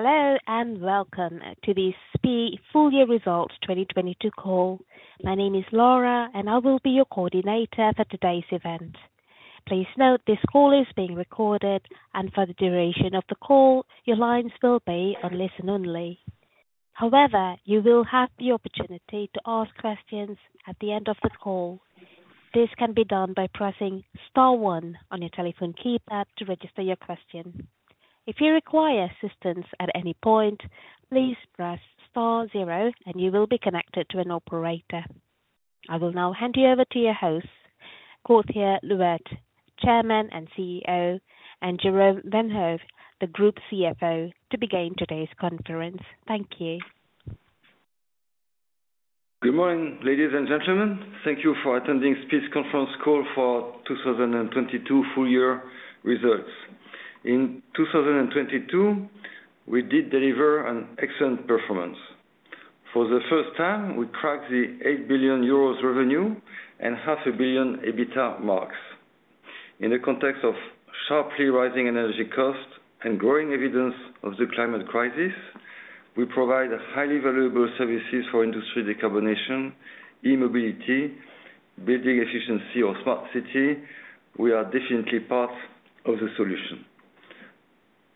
Hello, and welcome to the SPIE Full Year Results 2022 Call. My name is Laura, and I will be your Coordinator for today's event. Please note this call is being recorded, and for the duration of the call, your lines will be on listen only. However, you will have the opportunity to ask questions at the end of the call. This can be done by pressing star one on your telephone keypad to register your question. If you require assistance at any point, please press star zero and you will be connected to an operator. I will now hand you over to your host, Gauthier Louette, Chairman and CEO, and Jérôme Vanhove, the Group CFO, to begin today's conference. Thank you. Good morning, ladies and gentlemen. Thank you for attending SPIE's Conference Call for 2022 Full Year Results. In 2022, we did deliver an excellent performance. For the first time, we cracked the 8 billion euros revenue and EUR half a billion EBITDA marks. In the context of sharply rising energy costs and growing evidence of the climate crisis, we provide highly valuable services for industry decarbonation, e-mobility, building efficiency, or smart city. We are definitely part of the solution.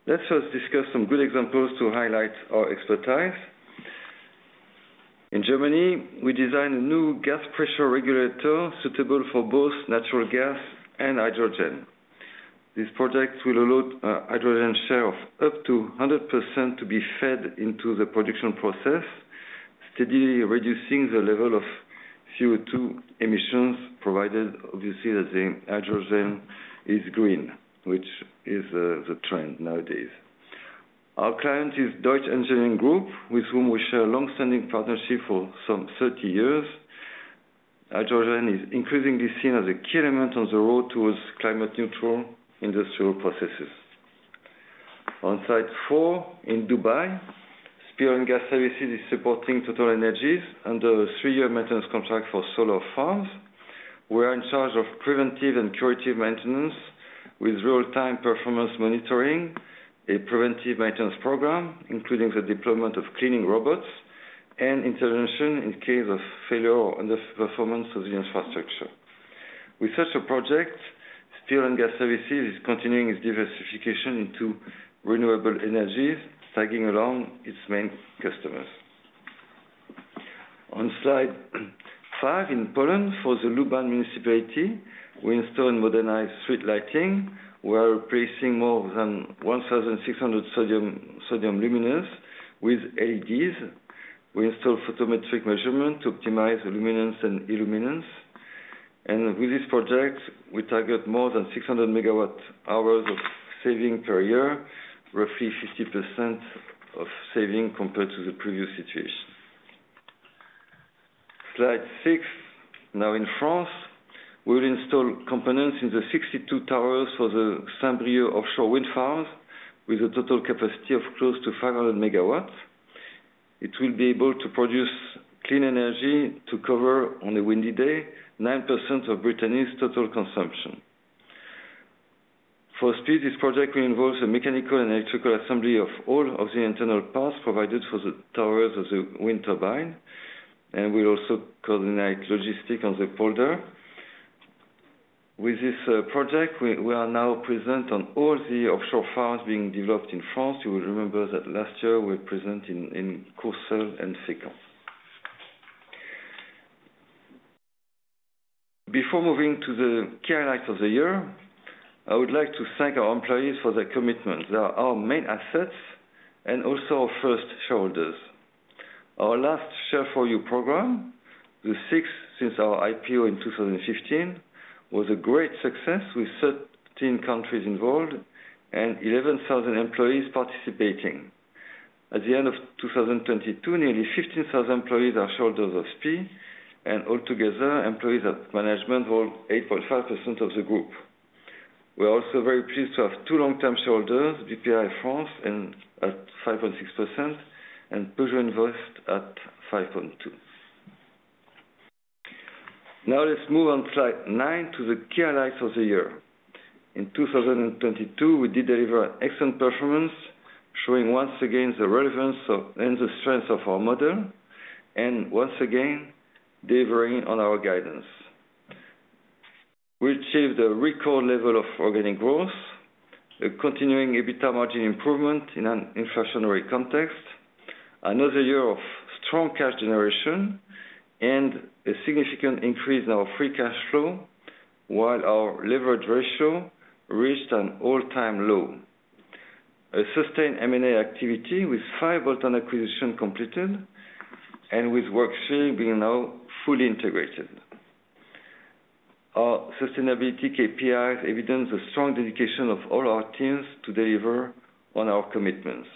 Let us discuss some good examples to highlight our expertise. In Germany, we designed a new gas pressure regulator suitable for both natural gas and hydrogen. This project will allow a hydrogen share of up to 100% to be fed into the production process, steadily reducing the level of CO2 emissions, provided obviously that the hydrogen is green, which is the trend nowadays. Our client is Deutsche Engineering Group, with whom we share a long-standing partnership for some 30 years. Hydrogen is increasingly seen as a key element on the road towards climate neutral industrial processes. On slide four, in Dubai, SPIE Oil and Gas Services is supporting TotalEnergies under a three-year maintenance contract for solar farms. We are in charge of preventive and curative maintenance with real-time performance monitoring, a preventive maintenance program, including the deployment of cleaning robots and intervention in case of failure or underperformance of the infrastructure. With such a project, SPIE Oil and Gas Services is continuing its diversification into renewable energies, tagging along its main customers. On slide five, in Poland, for the Lublin municipality, we install modernized street lighting. We are replacing more than 1,600 sodium luminaires with LEDs. We install photometric measurements to optimize the luminance and illuminance. With this project, we target more than 600 MWh of saving per year, roughly 50% of saving compared to the previous situation. Slide six. Now in France, we'll install components in the 62 towers for the Saint-Brieuc offshore wind farms with a total capacity of close to 500 MW. It will be able to produce clean energy to cover, on a windy day, 9% of Brittany's total consumption. For SPIE, this project will involve the mechanical and electrical assembly of all of the internal parts provided for the towers of the wind turbine, and we also coordinate logistics on the folder. With this project, we are now present on all the offshore farms being developed in France. You will remember that last year we were present in Courseulles and Second. Before moving to the key highlights of the year, I would like to thank our employees for their commitment. They are our main assets and also our first shareholders. Our last SHARE FOR YOU program, the sixth since our IPO in 2015, was a great success with 13 countries involved and 11,000 employees participating. At the end of 2022, nearly 15,000 employees are shareholders of SPIE, and altogether, employees at management hold 8.5% of the group. We are also very pleased to have two long-term shareholders, Bpifrance and at 5.6% and Peugeot Invest at 5.2%. Let's move on slide 9 to the key highlights of the year. In 2022, we did deliver excellent performance, showing once again the relevance of, and the strength of our model, and once again, delivering on our guidance. We achieved a record level of organic growth, a continuing EBITDA margin improvement in an inflationary context, another year of strong cash generation, and a significant increase in our free cash flow, while our leverage ratio reached an all-time low. A sustained M&A activity with five bolt-on acquisition completed and with Worksphere being now fully integrated. Our sustainability KPIs evidence a strong dedication of all our teams to deliver on our commitments.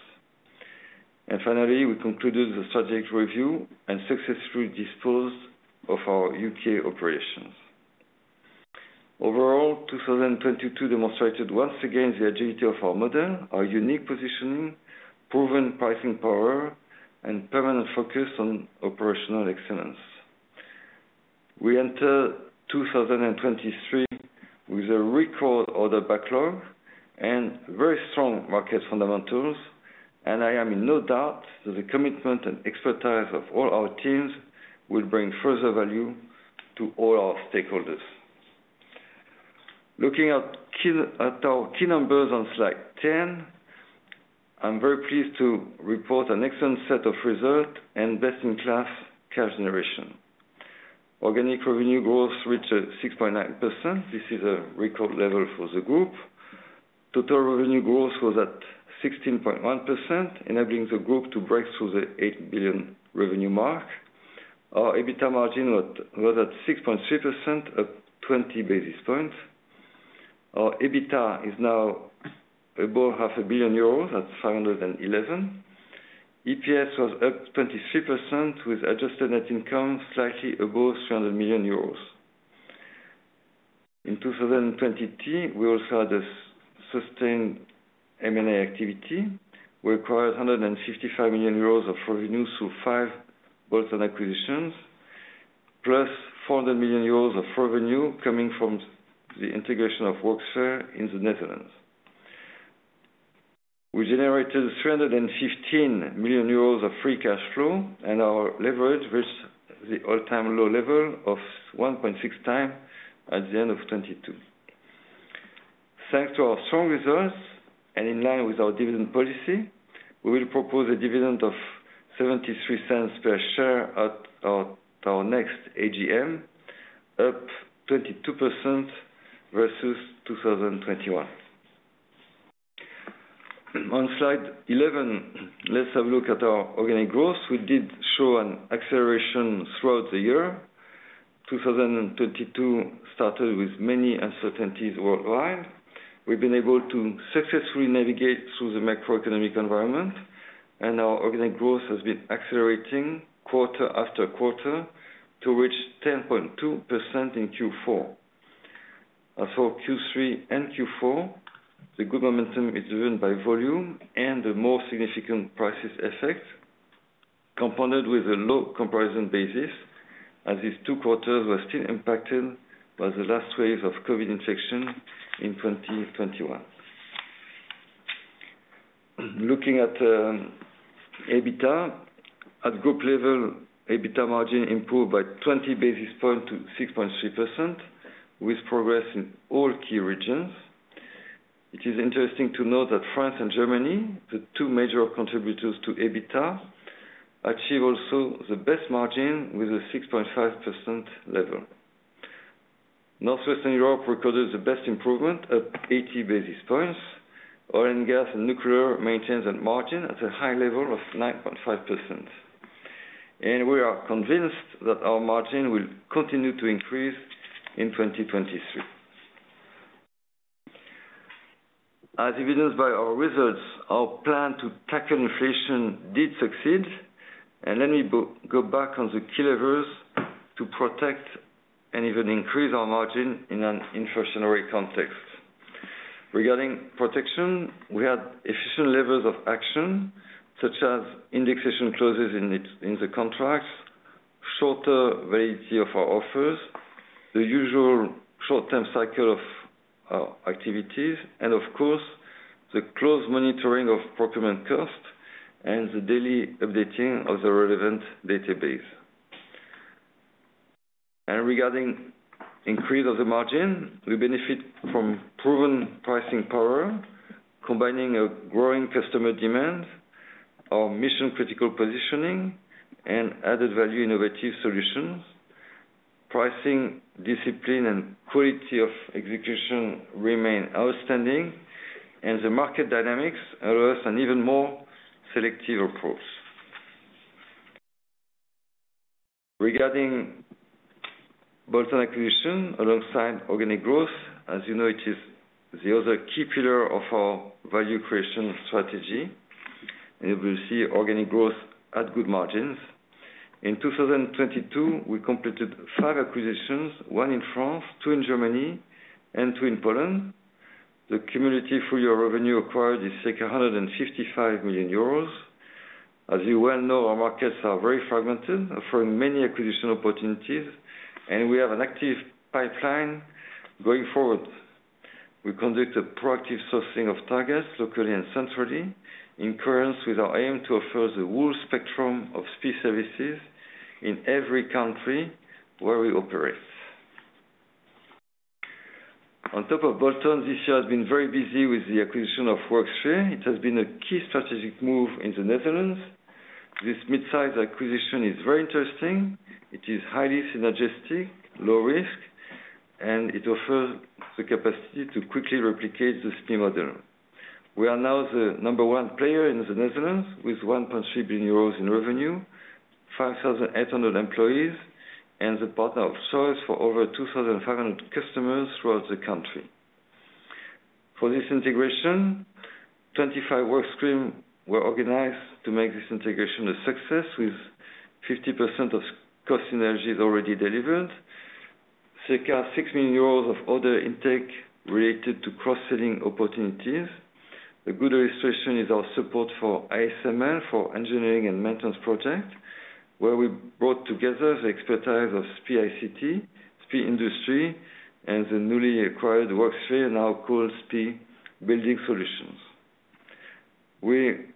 Finally, we concluded the strategic review and successfully disposed of our U.K. operations. Overall, 2022 demonstrated once again the agility of our model, our unique positioning, proven pricing power, and permanent focus on operational excellence. We enter 2023 with a record order backlog and very strong market fundamentals. I am in no doubt that the commitment and expertise of all our teams will bring further value to all our stakeholders. Looking at our key numbers on slide 10, I'm very pleased to report an excellent set of results and best-in-class cash generation. Organic revenue growth reached 6.9%. This is a record level for the group. Total revenue growth was at 16.1%, enabling the group to break through the 8 billion revenue mark. Our EBITDA margin was at 6.3%, up 20 basis points. Our EBITDA is now above 500 million euros at 511 million. EPS was up 23% with adjusted net income slightly above 300 million euros. In 2023, we also had a sustained M&A activity. We acquired 155 million euros of revenue through five bolts on acquisitions, plus 400 million euros of revenue coming from the integration of Worksphere in the Netherlands. We generated 315 million euros of free cash flow, and our leverage reached the all-time low level of 1.6x at the end of 2022. Thanks to our strong results and in line with our dividend policy, we will propose a dividend of 0.73 per share at our next AGM, up 22% versus 2021. On Slide 11, let's have a look at our organic growth. We did show an acceleration throughout the year. 2022 started with many uncertainties worldwide. We've been able to successfully navigate through the macroeconomic environment, and our organic growth has been accelerating quarter after quarter to reach 10.2% in Q4. For Q3 and Q4, the good momentum is driven by volume and the more significant prices effect, compounded with a low comparison basis, as these two quarters were still impacted by the last wave of COVID infection in 2021. Looking at EBITDA. At group level, EBITDA margin improved by 20 basis points to 6.3%, with progress in all key regions. It is interesting to note that France and Germany, the two major contributors to EBITDA, achieve also the best margin with a 6.5% level. Northwestern Europe recorded the best improvement of 80 basis points. Oil and Gas and Nuclear maintains that margin at a high level of 9.5%. We are convinced that our margin will continue to increase in 2023. As evidenced by our results, our plan to tackle inflation did succeed. Let me go back on the key levers to protect and even increase our margin in an inflationary context. Regarding protection, we had efficient levels of action, such as indexation clauses in the contracts, shorter validity of our offers, the usual short-term cycle of our activities, and of course, the close monitoring of procurement costs and the daily updating of the relevant database. Regarding increase of the margin, we benefit from proven pricing power, combining a growing customer demand or mission-critical positioning and added-value innovative solutions. Pricing, discipline, and quality of execution remain outstanding, and the market dynamics allow us an even more selective approach. Regarding bolt-on acquisition alongside organic growth, as you know, it is the other key pillar of our value creation strategy. We'll see organic growth at good margins. In 2022, we completed 5 acquisitions, one in France, two in Germany, and two in Poland. The cumulative full-year revenue acquired is 855 million euros. As you well know, our markets are very fragmented, offering many acquisition opportunities, and we have an active pipeline going forward. We conduct a proactive sourcing of targets locally and centrally in concurrence with our aim to offer the whole spectrum of SPIE services in every country where we operate. On top of bolt-on, this year has been very busy with the acquisition of Worksphere. It has been a key strategic move in the Netherlands. This mid-size acquisition is very interesting. It is highly synergistic, low risk, and it offers the capacity to quickly replicate the SPIE model. We are now the number one player in the Netherlands with 1.3 billion euros in revenue, 5,800 employees, and the partner of choice for over 2,500 customers throughout the country. For this integration, 25 work stream were organized to make this integration a success, with 50% of cost synergies already delivered. 6 million euros of other intake related to cross-selling opportunities. A good illustration is our support for ASML, for engineering and maintenance project, where we brought together the expertise of SPIE ICT, SPIE Industry, and the newly acquired Worksphere, now called SPIE Building Solutions. We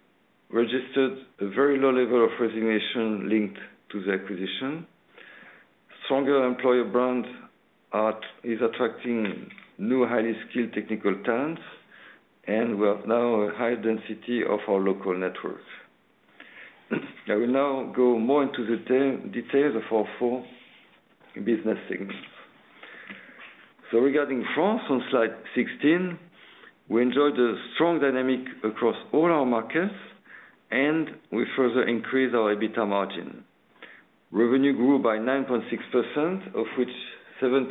registered a very low level of resignation linked to the acquisition. Stronger employer brand is attracting new highly skilled technical talents. We have now a high density of our local networks. I will now go more into the details of our four business segments. Regarding France, on slide 16, we enjoyed a strong dynamic across all our markets. We further increased our EBITDA margin. Revenue grew by 9.6%, of which 7.6%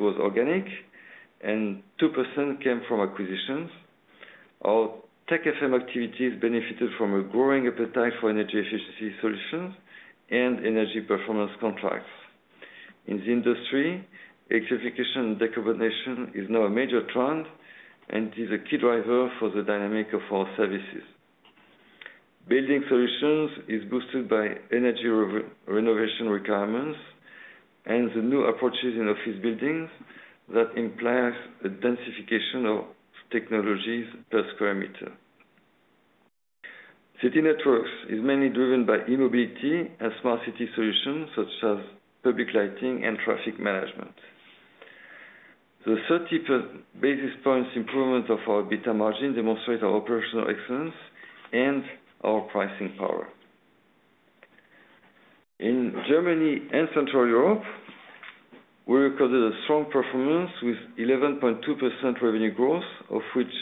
was organic and 2% came from acquisitions. Our Tech FM activities benefited from a growing appetite for energy efficiency solutions and energy performance contracts. In the industry, electrification and decarbonation is now a major trend and is a key driver for the dynamic of our services. Building solutions is boosted by energy renovation requirements and the new approaches in office buildings that implies a densification of technologies per square meter. City Networks is mainly driven by e-mobility and smart city solutions such as public lighting and traffic management. The 30 basis points improvement of our EBITDA margin demonstrate our operational excellence and our pricing power. In Germany and Central Europe, we recorded a strong performance with 11.2% revenue growth, of which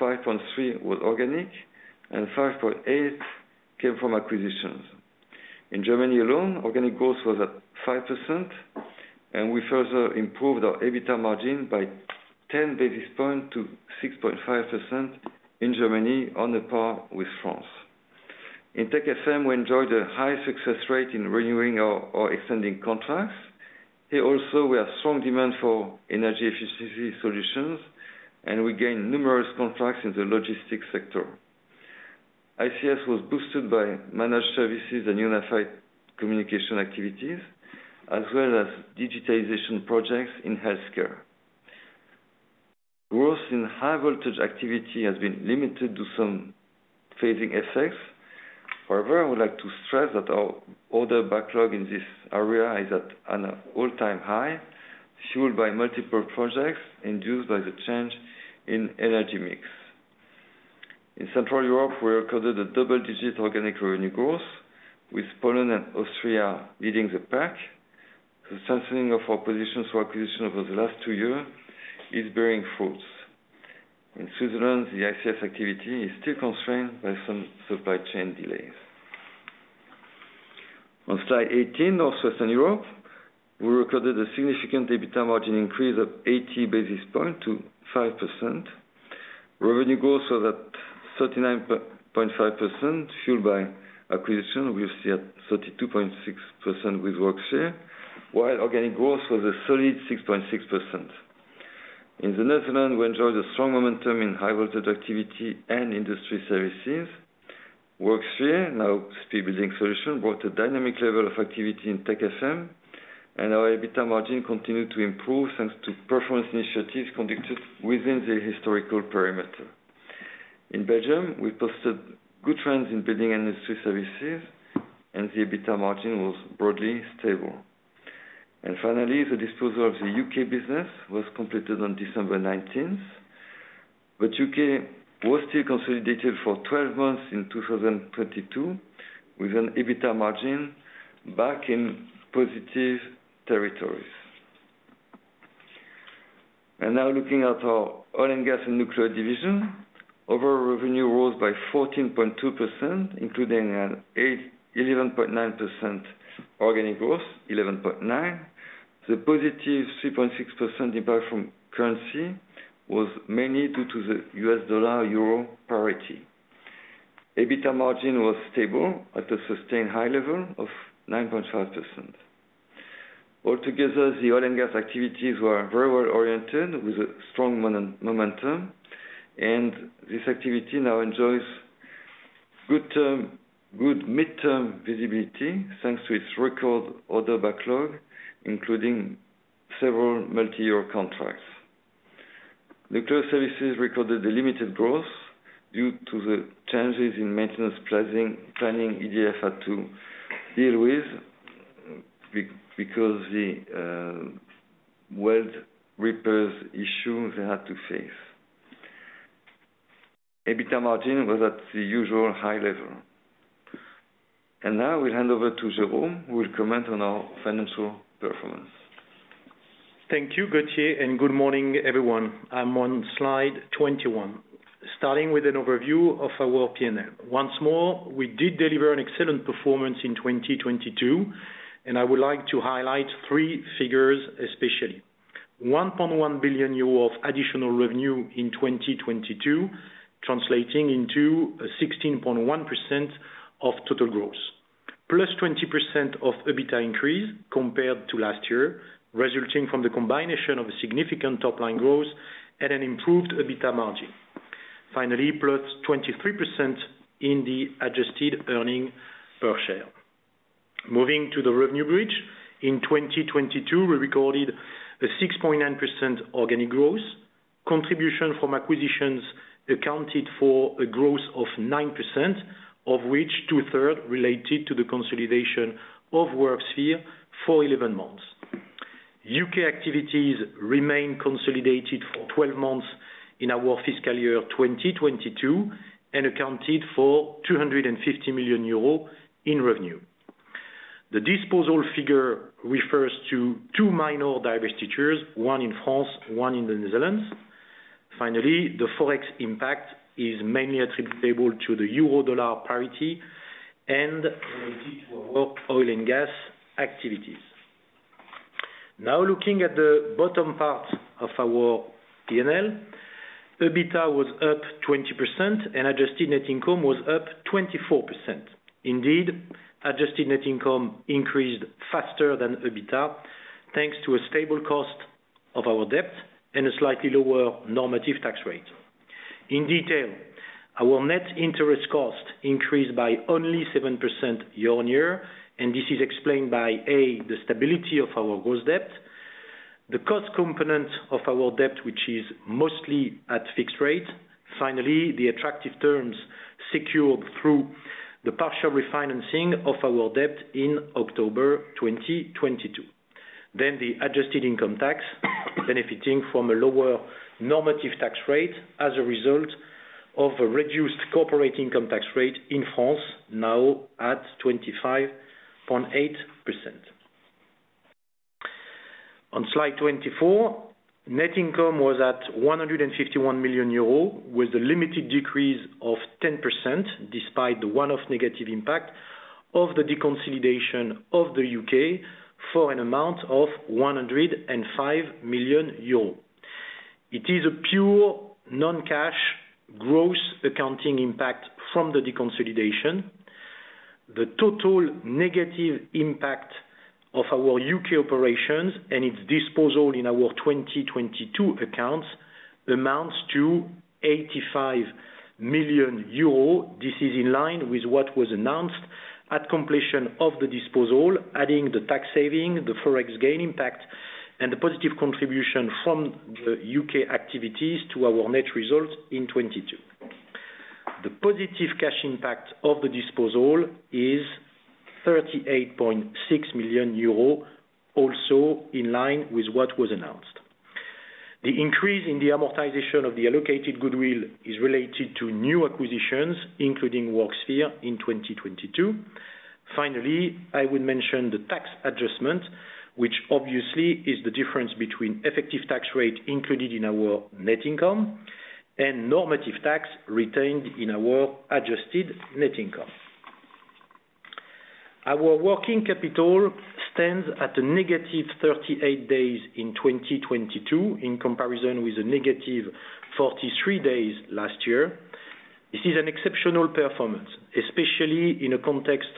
5.3% was organic and 5.8% came from acquisitions. In Germany alone, organic growth was at 5%, and we further improved our EBITDA margin by 10 basis point to 6.5% in Germany on par with France. In Tech FM, we enjoyed a high success rate in renewing our extending contracts. Here also, we have strong demand for energy efficiency solutions, and we gain numerous contracts in the logistics sector. ICS was boosted by managed services and unified communication activities, as well as digitization projects in healthcare. I would like to stress that our order backlog in this area is at an all-time high, fueled by multiple projects induced by the change in energy mix. In Central Europe, we recorded a double-digit organic revenue growth, with Poland and Austria leading the pack. The strengthening of our positions for acquisition over the last two years is bearing fruits. In Switzerland, the ICS activity is still constrained by some supply chain delays. On slide 18, Northwestern Europe, we recorded a significant EBITDA margin increase of 80 basis point to 5%. Revenue growth was at 39.5%, fueled by acquisition, we see at 32.6% with Worksphere, while organic growth was a solid 6.6%. In the Netherlands, we enjoy the strong momentum in high voltage activity and industry services. Worksphere, now SPIE Building Solutions, brought a dynamic level of activity in Tech FM. Our EBITDA margin continued to improve, thanks to performance initiatives conducted within the historical parameter. In Belgium, we posted good trends in building industry services. The EBITDA margin was broadly stable. Finally, the disposal of the U.K. business was completed on December 19th. The U.K. was still consolidated for 12 months in 2022, with an EBITDA margin back in positive territories. Now looking at our oil and gas and nuclear division. Overall revenue rose by 14.2%, including 11.9% organic growth, 11.9. The positive 3.6% impact from currency was mainly due to the USD/EUR parity. EBITDA margin was stable at a sustained high level of 9.5%. All together, the oil and gas activities were very well-oriented, with a strong momentum, and this activity now enjoys good midterm visibility, thanks to its record order backlog, including several multi-year contracts. Nuclear services recorded a limited growth due to the changes in maintenance planning EDF had to deal with because the world rippers issue they had to face. EBITDA margin was at the usual high level. Now I will hand over to Jérôme, who will comment on our financial performance. Thank you, Gauthier. Good morning, everyone. I'm on slide 21. Starting with an overview of our P&L. Once more, we did deliver an excellent performance in 2022. I would like to highlight three figures, especially. 1.1 billion euro of additional revenue in 2022, translating into a 16.1% of total growth. +20% of EBITDA increase compared to last year, resulting from the combination of a significant top-line growth and an improved EBITDA margin. Finally, +23% in the adjusted earnings per share. Moving to the revenue bridge. In 2022, we recorded a 6.9% organic growth. Contribution from acquisitions accounted for a growth of 9%, of which 2/3 related to the consolidation of Worksphere for 11 months. U.K. activities remain consolidated for 12 months in our fiscal year 2022, and accounted for 250 million euros in revenue. The disposal figure refers to two minor divestitures, one in France, one in the Netherlands. Finally, the Forex impact is mainly attributable to the Euro Dollar parity and related to our oil and gas activities. Now looking at the bottom part of our P&L. EBITDA was up 20% and adjusted net income was up 24%. Indeed, adjusted net income increased faster than EBITDA, thanks to a stable cost of our debt and a slightly lower normative tax rate. In detail, our net interest cost increased by only 7% year-on-year, and this is explained by, A, the stability of our gross debt, the cost component of our debt, which is mostly at fixed rate. The attractive terms secured through the partial refinancing of our debt in October 2022. The adjusted income tax benefiting from a lower normative tax rate as a result of a reduced corporate income tax rate in France, now at 25.8%. On slide 24, net income was at 151 million euros, with a limited decrease of 10%, despite the one-off negative impact of the deconsolidation of the U.K. for an amount of 105 million euros. It is a pure non-cash gross accounting impact from the deconsolidation. The total negative impact of our U.K. operations and its disposal in our 2022 accounts amounts to 85 million euro. This is in line with what was announced at completion of the disposal, adding the tax saving, the Forex gain impact, and the positive contribution from the U.K. activities to our net results in 22. The positive cash impact of the disposal is 38.6 million euros, also in line with what was announced. The increase in the amortization of the allocated goodwill is related to new acquisitions, including Worksphere in 2022. Finally, I will mention the tax adjustment, which obviously is the difference between effective tax rate included in our net income and normative tax retained in our adjusted net income. Our working capital stands at a negative 38 days in 2022, in comparison with the negative 43 days last year. This is an exceptional performance, especially in a context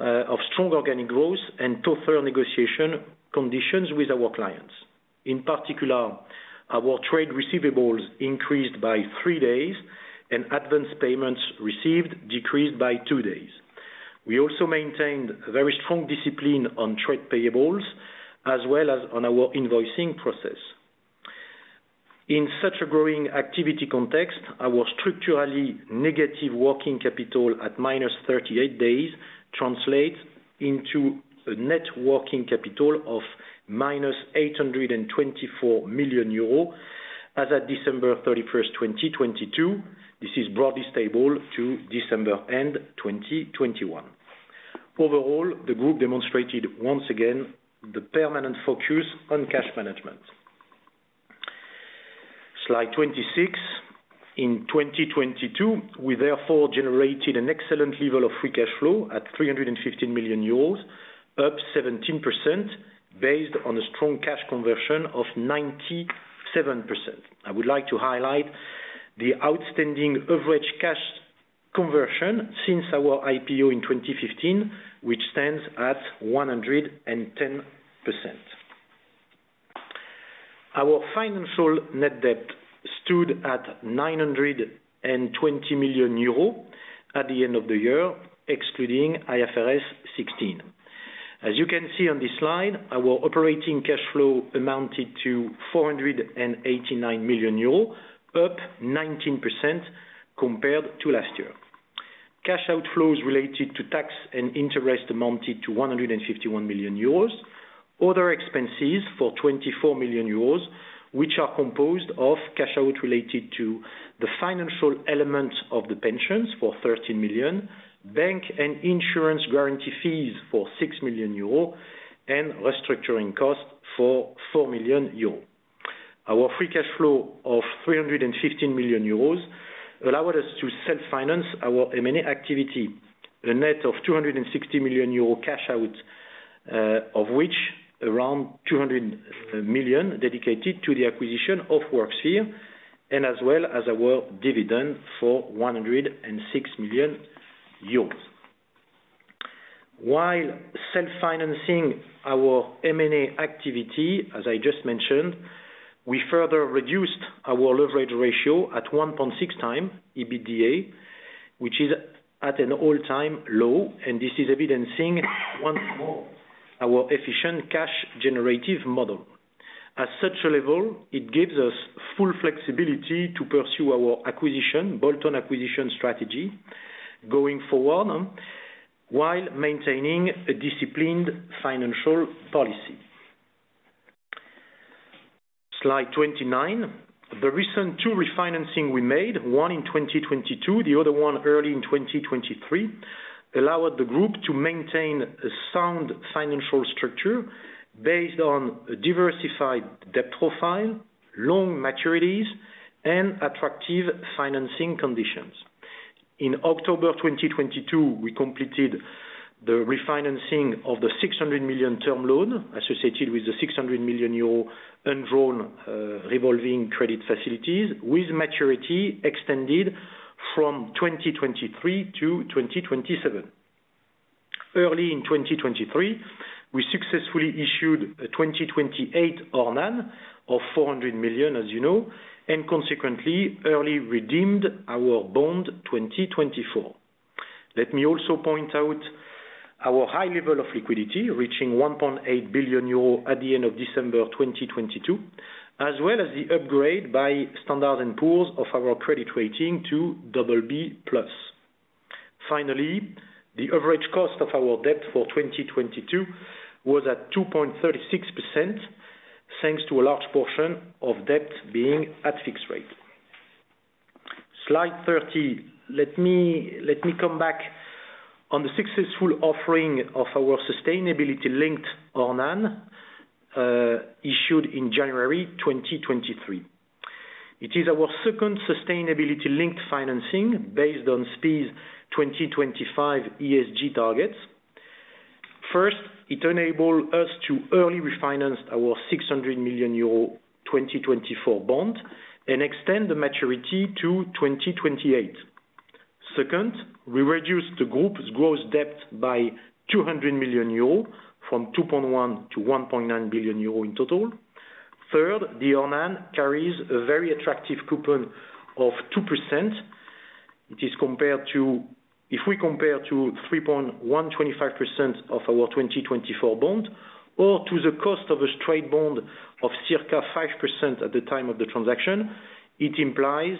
of strong organic growth and tougher negotiation conditions with our clients. In particular, our trade receivables increased by three days and advance payments received decreased by two days. We also maintained very strong discipline on trade payables as well as on our invoicing process. In such a growing activity context, our structurally negative working capital at -38 days translates into a net working capital of -824 million euros as of December 31st, 2022. This is broadly stable to December end 2021. The group demonstrated once again the permanent focus on cash management. Slide 26. In 2022, we therefore generated an excellent level of free cash flow at 315 million euros, up 17% based on a strong cash conversion of 97%. I would like to highlight the outstanding average cash conversion since our IPO in 2015, which stands at 110%. Our financial net debt stood at 920 million euros at the end of the year, excluding IFRS 16. You can see on this slide, our operating cash flow amounted to 489 million euros, up 19% compared to last year. Cash outflows related to tax and interest amounted to 151 million euros. Other expenses for 24 million euros, which are composed of cash out related to the financial elements of the pensions for 13 million, bank and insurance guarantee fees for 6 million euro, and restructuring costs for 4 million euro. Our free cash flow of 315 million euros allowed us to self-finance our M&A activity, a net of 260 million euro cash out. Of which around 200 million dedicated to the acquisition of Worksphere and as well as our dividend for 106 million euros. While self-financing our M&A activity, as I just mentioned, we further reduced our leverage ratio at 1.6x EBITDA, which is at an all-time low. This is evidencing once more our efficient cash generative model. At such a level, it gives us full flexibility to pursue our acquisition, bolt-on acquisition strategy going forward while maintaining a disciplined financial policy. Slide 29. The recent two refinancing we made, one in 2022, the other one early in 2023, allowed the group to maintain a sound financial structure based on a diversified debt profile, long maturities, and attractive financing conditions. In October 2022, we completed the refinancing of the 600 million term loan associated with the 600 million euro undrawn revolving credit facilities with maturity extended from 2023 to 2027. Early in 2023, we successfully issued a 2028 ORNANE of 400 million, as you know, and consequently early redeemed our bond 2024. Let me also point out our high level of liquidity, reaching 1.8 billion euro at the end of December 2022, as well as the upgrade by Standard and Poor's of our credit rating to BB+. Finally, the average cost of our debt for 2022 was at 2.36%, thanks to a large portion of debt being at fixed rate. Slide 30. Let me come back on the successful offering of our sustainability-linked ORNANE, issued in January 2023. It is our second sustainability-linked financing based on SPIE's 2025 ESG targets. First, it enable us to early refinance our 600 million euro 2024 bond and extend the maturity to 2028. Second, we reduced the group's gross debt by 200 million euros from 2.1 billion-1.9 billion euros in total. Third, the ORNANE carries a very attractive coupon of 2%. If we compare to 3.125% of our 2024 bond or to the cost of a straight bond of circa 5% at the time of the transaction, it implies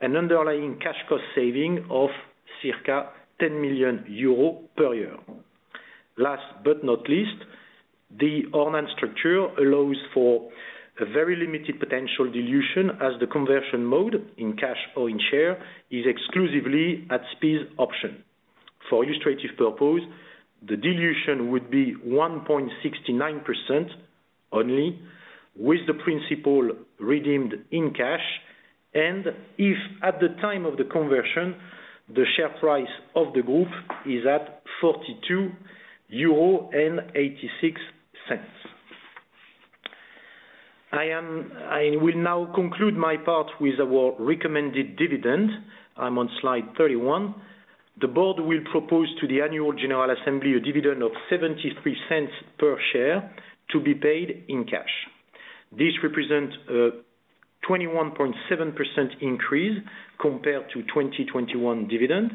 an underlying cash cost saving of circa 10 million euros per year. The ORNANE structure allows for a very limited potential dilution as the conversion mode in cash or in share is exclusively at SPIE's option. For illustrative purpose, the dilution would be 1.69% only with the principal redeemed in cash and if at the time of the conversion, the share price of the group is at 42.86 euro. I will now conclude my part with our recommended dividend. I'm on slide 31. The board will propose to the Annual General Assembly a dividend of 0.73 per share to be paid in cash. This represents a 21.7% increase compared to 2021 dividend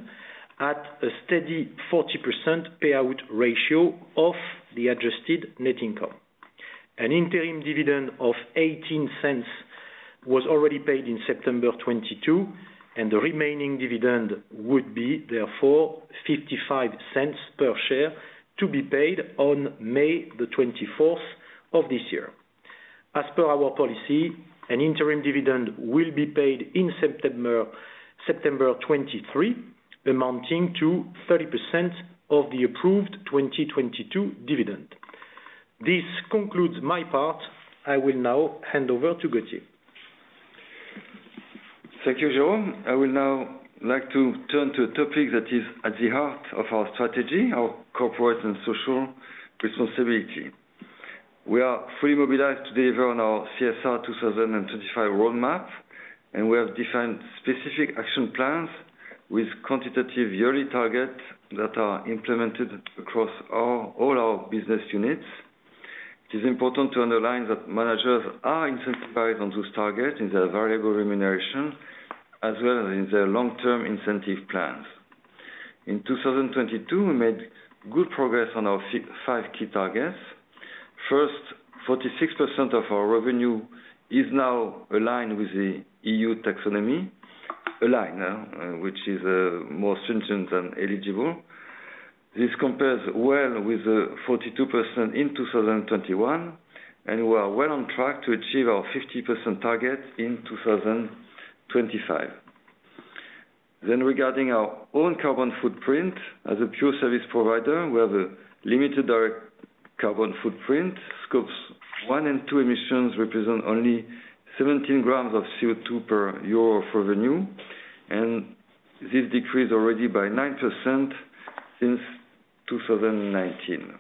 at a steady 40% payout ratio of the adjusted net income. An interim dividend of 0.18 was already paid in September 2022, and the remaining dividend would be, therefore, 0.55 per share to be paid on May 24th of this year. As per our policy, an interim dividend will be paid in September 2023, amounting to 30% of the approved 2022 dividend. This concludes my part. I will now hand over to Gauthier. Thank you, Jérôme. I would now like to turn to a topic that is at the heart of our strategy, our corporate and social responsibility. We are fully mobilized to deliver on our CSR 2025 roadmap, and we have defined specific action plans with quantitative yearly targets that are implemented across all our business units. It is important to underline that managers are incentivized on those targets in their variable remuneration, as well as in their long-term incentive plans. In 2022, we made good progress on our five key targets. First, 46% of our revenue is now aligned with the EU taxonomy. Aligned, which is more stringent than eligible. This compares well with the 42% in 2021, and we are well on track to achieve our 50% target in 2025. Regarding our own carbon footprint, as a pure service provider, we have a limited direct carbon footprint. Scopes one and two emissions represent only 17 g of CO2 per EUR of revenue. This decreased already by 9% since 2019.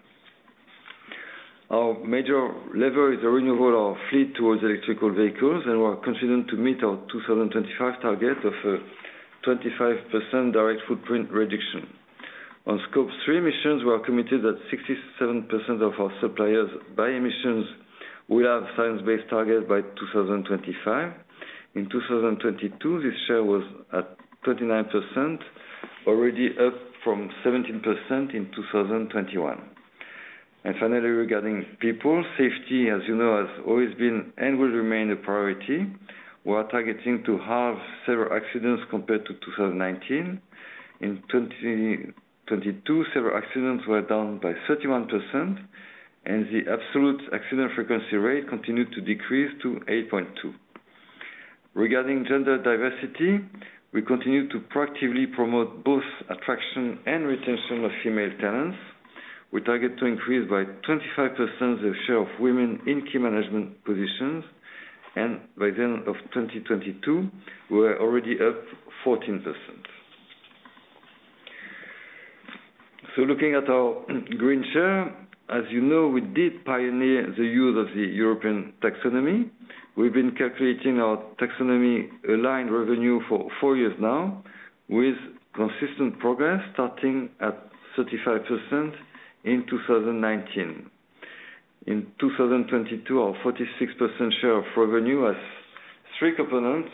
Our major lever is the renewal of fleet towards electrical vehicles, and we are continuing to meet our 2025 target of 25% direct footprint reduction. On scope three emissions, we are committed that 67% of our suppliers by emissions will have science-based targets by 2025. In 2022, this share was at 29%, already up from 17% in 2021. Finally, regarding people, safety, as you know, has always been and will remain a priority. We are targeting to have zero accidents compared to 2019. In 2022, zero accidents were down by 31%, the absolute accident frequency rate continued to decrease to 8.2. Regarding gender diversity, we continue to proactively promote both attraction and retention of female talents. We target to increase by 25% the share of women in key management positions. By the end of 2022, we were already up 14%. Looking at our green share, as you know, we did pioneer the use of the European taxonomy. We've been calculating our taxonomy-aligned revenue for four years now with consistent progress starting at 35% in 2019. In 2022, our 46% share of revenue has three components.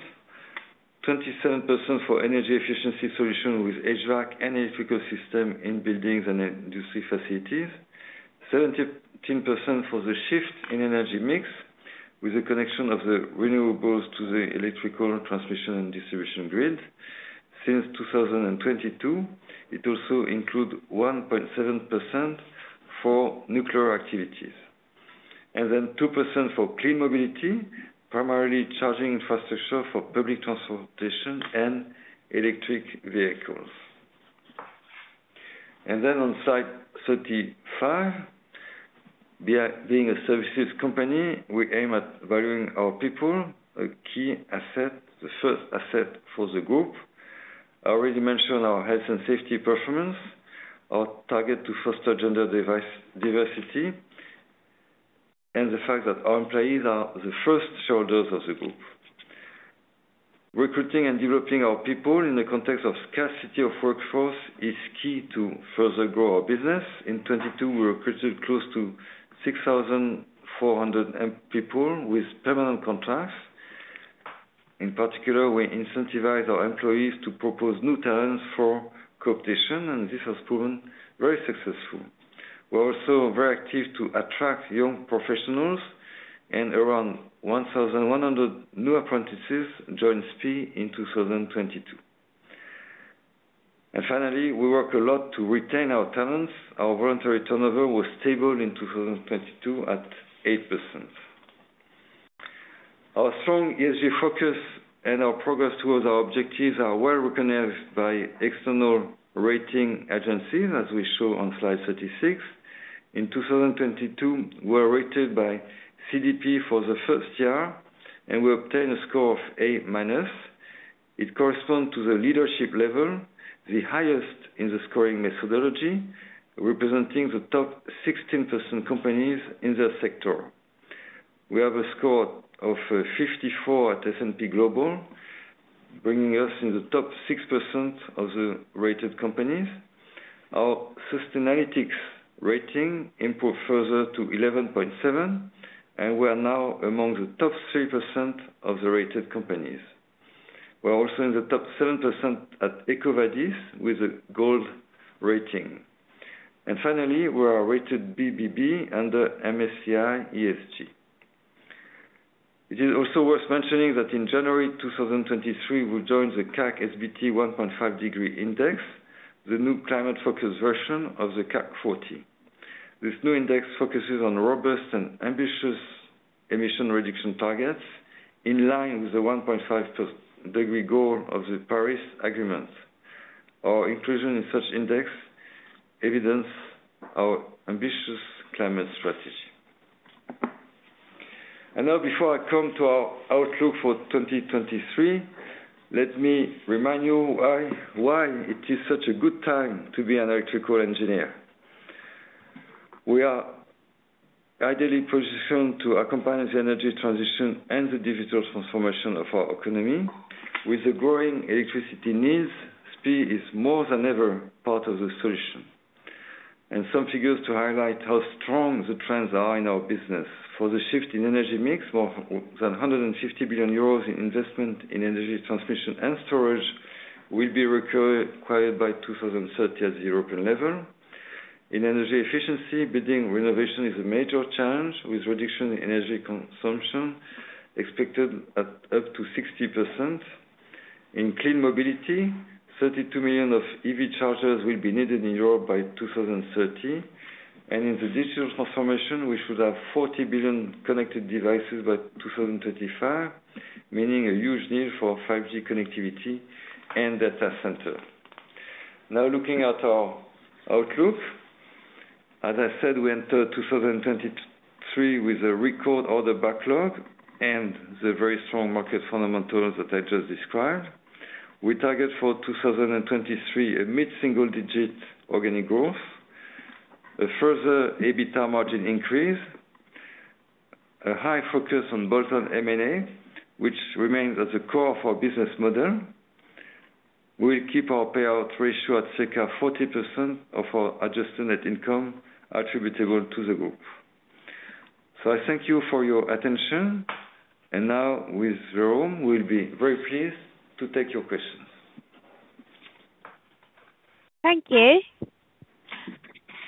27% for energy efficiency solution with HVAC and electrical system in buildings and industry facilities. 17% for the shift in energy mix with the connection of the renewables to the electrical transmission and distribution grid. Since 2022, it also include 1.7% for nuclear activities. Two percent for clean mobility, primarily charging infrastructure for public transportation and electric vehicles. On slide 35, via being a services company, we aim at valuing our people a key asset, the first asset for the group. I already mentioned our health and safety performance, our target to foster gender diversity, and the fact that our employees are the first shareholders of the group. Recruiting and developing our people in the context of scarcity of workforce is key to further grow our business. In 2022, we recruited close to 6,400 people with permanent contracts. In particular, we incentivize our employees to propose new talents for competition, and this has proven very successful. We're also very active to attract young professionals and around 1,100 new apprentices joined SPIE in 2022. Finally, we work a lot to retain our talents. Our voluntary turnover was stable in 2022 at 8%. Our strong ESG focus and our progress towards our objectives are well recognized by external rating agencies, as we show on slide 36. In 2022, we were rated by CDP for the first year, and we obtained a score of A-. It correspond to the leadership level, the highest in the scoring methodology, representing the top 16% companies in their sector. We have a score of 54 at S&P Global, bringing us in the top 6% of the rated companies. Our Sustainalytics rating improved further to 11.7, and we are now among the top 3% of the rated companies. We're also in the top 7% at EcoVadis with a gold rating. Finally, we are rated BBB under MSCI ESG. It is also worth mentioning that in January 2023, we joined the CAC SBT 1.5 degree Index, the new climate-focused version of the CAC 40. This new index focuses on robust and ambitious emission reduction targets in line with the 1.5 per degree goal of the Paris Agreement. Our inclusion in such index evidence our ambitious climate strategy. Now before I come to our outlook for 2023, let me remind you why it is such a good time to be an electrical engineer. We are ideally positioned to accompany the energy transition and the digital transformation of our economy. With the growing electricity needs, SPIE is more than ever part of the solution. Some figures to highlight how strong the trends are in our business. For the shift in energy mix, more than 150 billion euros in investment in energy transmission and storage will be required by 2030 at European level. In energy efficiency, building renovation is a major challenge, with reduction in energy consumption expected at up to 60%. In clean mobility, 32 million of EV chargers will be needed in Europe by 2030. In the digital transformation, we should have 40 billion connected devices by 2035, meaning a huge need for 5G connectivity and data center. Looking at our outlook. As I said, we entered 2023 with a record order backlog and the very strong market fundamentals that I just described. We target for 2023 a mid-single digit organic growth, a further EBITDA margin increase, a high focus on bolt-on M&A, which remains at the core of our business model. We'll keep our payout ratio at circa 40% of our adjusted net income attributable to the group. I thank you for your attention. Now with Jérôme, we'll be very pleased to take your questions. Thank you.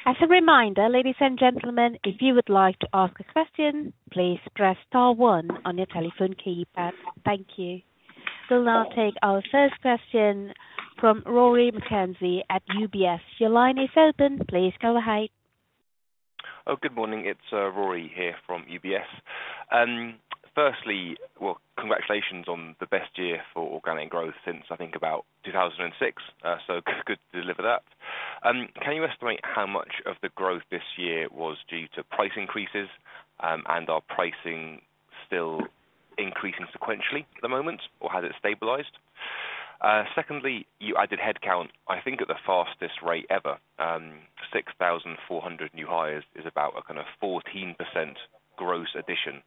As a reminder, ladies and gentlemen, if you would like to ask a question, please press star one on your telephone keypad. Thank you. We'll now take our first question from Rory McKenzie at UBS. Your line is open. Please go ahead. Good morning. It's Rory here from UBS. Firstly, well, congratulations on the best year for organic growth since, I think, about 2006. Good to deliver that. Can you estimate how much of the growth this year was due to price increases, and are pricing still increasing sequentially at the moment, or has it stabilized? Secondly, you added headcount, I think at the fastest rate ever. 6,400 new hires is about a kind of 14% gross addition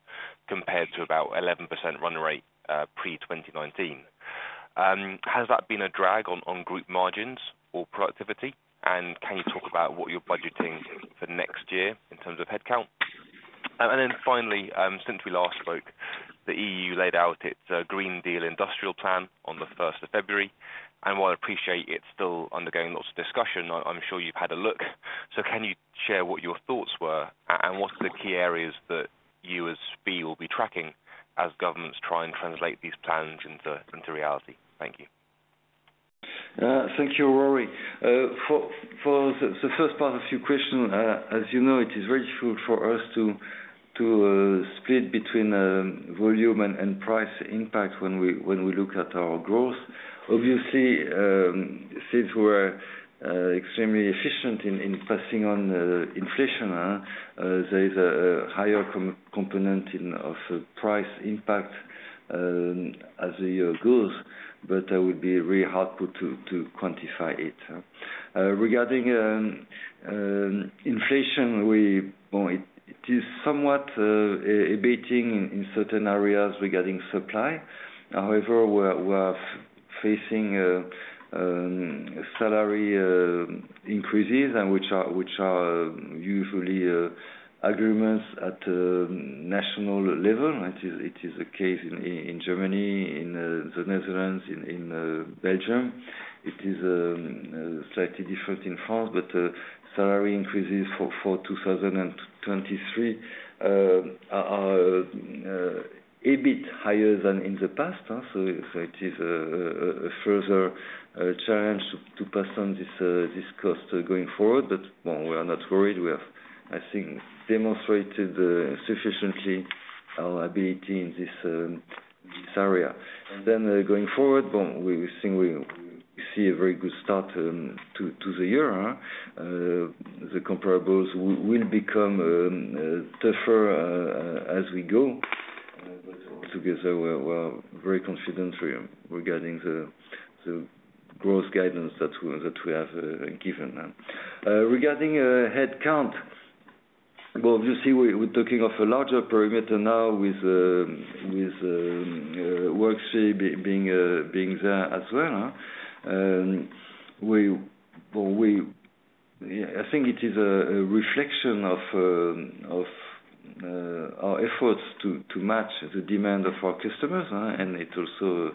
compared to about 11% run rate, pre-2019. Has that been a drag on group margins or productivity? Can you talk about what you're budgeting for next year in terms of headcount? Finally, since we last spoke, the EU laid out its Green Deal Industrial Plan on the first of February. While I appreciate it's still undergoing lots of discussion, I'm sure you've had a look. Can you share what your thoughts were and what are the key areas that you as SPIE will be tracking as governments try and translate these plans into reality? Thank you. Thank you, Rory. For the first part of your question, as you know, it is very difficult for us to split between volume and price impact when we look at our growth. Obviously, since we're extremely efficient in passing on inflation, there is a higher component of price impact as the year goes, but that would be really hard to quantify it. Regarding inflation, Well, it is somewhat abating in certain areas regarding supply. However, we're facing salary increases and which are usually agreements at national level. It is the case in Germany, in the Netherlands, in Belgium. It is slightly different in France, but salary increases for 2023 are a bit higher than in the past. It is a further challenge to pass on this cost going forward. Well, we are not worried. We have, I think, demonstrated sufficiently our ability in this area. Going forward, well, we think we see a very good start to the year. The comparables will become tougher as we go. All together, we're very confident regarding the growth guidance that we have given. Regarding headcount, well, obviously, we're talking of a larger perimeter now with Worksphere being there as well, huh? We, well, I think it is a reflection of our efforts to match the demand of our customers, and it also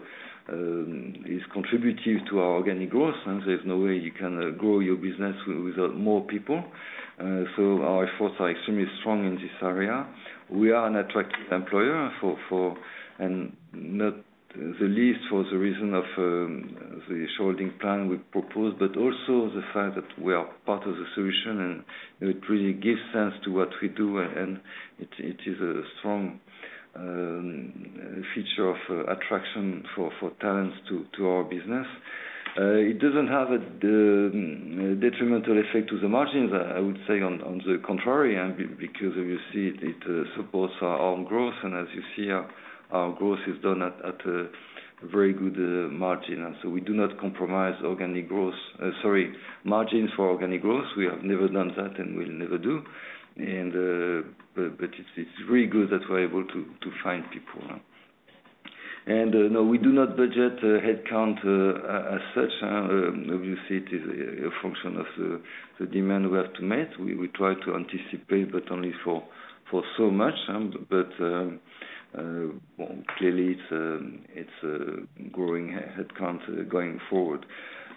is contributive to our organic growth. There's no way you can grow your business without more people. Our efforts are extremely strong in this area. We are an attractive employer for, and not the least for the reason of the shareholding plan we propose, but also the fact that we are part of the solution and it really gives sense to what we do, and it is a strong feature of attraction for talents to our business. It doesn't have the detrimental effect to the margins, I would say on the contrary, because you see it supports our own growth, and as you see our growth is done at a very good margin. We do not compromise organic growth. Sorry, margin for organic growth. We have never done that and we'll never do. But it's really good that we're able to find people. No, we do not budget headcount as such. Obviously, it is a function of the demand we have to meet. We try to anticipate, but only for so much. But well, clearly it's growing headcount going forward.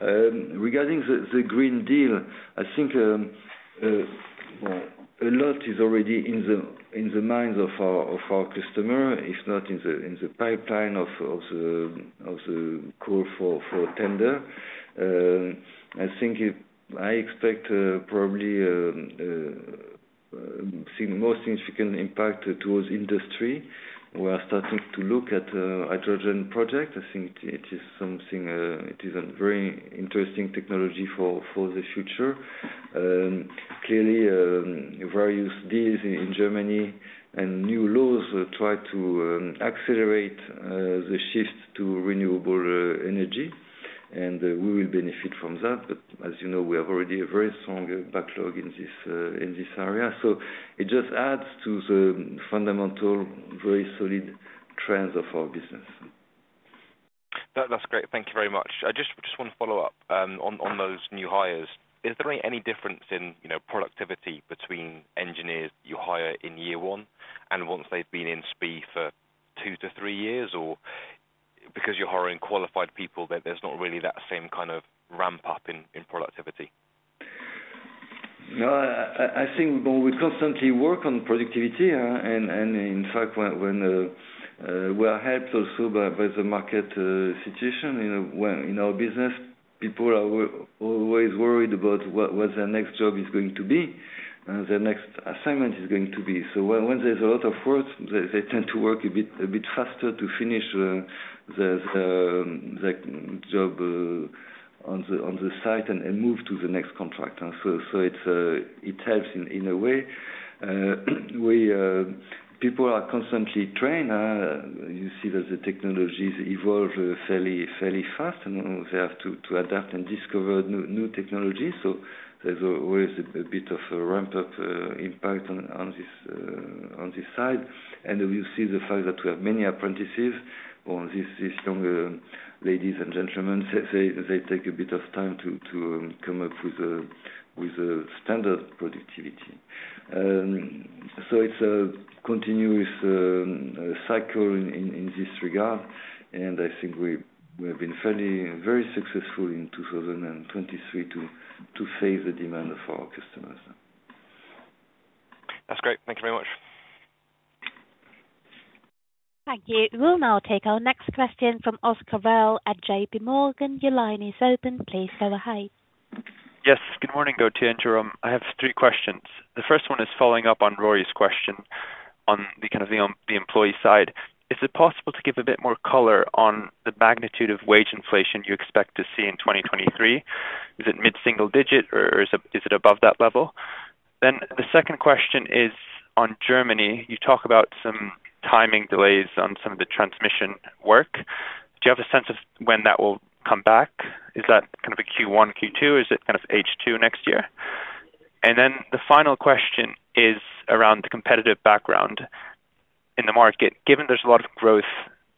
Regarding the Green Deal, I think, well, a lot is already in the minds of our customer. It's not in the pipeline of the call for tender. I expect probably the most significant impact towards industry. We are starting to look at hydrogen project. I think it is something, it is a very interesting technology for the future. Clearly, various deals in Germany and new laws try to accelerate the shift to renewable energy. We will benefit from that. As you know, we have already a very strong backlog in this area, so it just adds to the fundamental, very solid trends of our business. That's great. Thank you very much. I just want to follow up on those new hires. Is there any difference in, you know, productivity between engineers you hire in year 1 and once they've been in SPIE for two-three years, or because you're hiring qualified people that there's not really that same kind of ramp up in productivity? No, I think we constantly work on productivity. And in fact, when we are helped also by the market situation in our business, people are always worried about what their next job is going to be, their next assignment is going to be. When there's a lot of work, they tend to work a bit faster to finish the job on the site and move to the next contract. It's it helps in a way. We people are constantly trained. You see that the technologies evolve fairly fast, and they have to adapt and discover new technologies. There's always a bit of a ramp up impact on this side. You see the fact that we have many apprentices or these younger ladies and gentlemen, they take a bit of time to come up with a standard productivity. It's a continuous cycle in this regard. I think we have been very successful in 2023 to save the demand of our customers. That's great. Thank you very much. Thank you. We'll now take our next question from Oscar Bell at JP Morgan. Your line is open. Please go ahead. Yes. Good morning, Gauthier and Jérôme. I have three questions. The first one is following up on Rory's question on the kind of the employee side. Is it possible to give a bit more color on the magnitude of wage inflation you expect to see in 2023? Is it mid-single digit or is it above that level? The second question is on Germany. You talk about some timing delays on some of the transmission work. Do you have a sense of when that will come back? Is that kind of a Q1, Q2? Is it kind of H2 next year? The final question is around the competitive background in the market. Given there's a lot of growth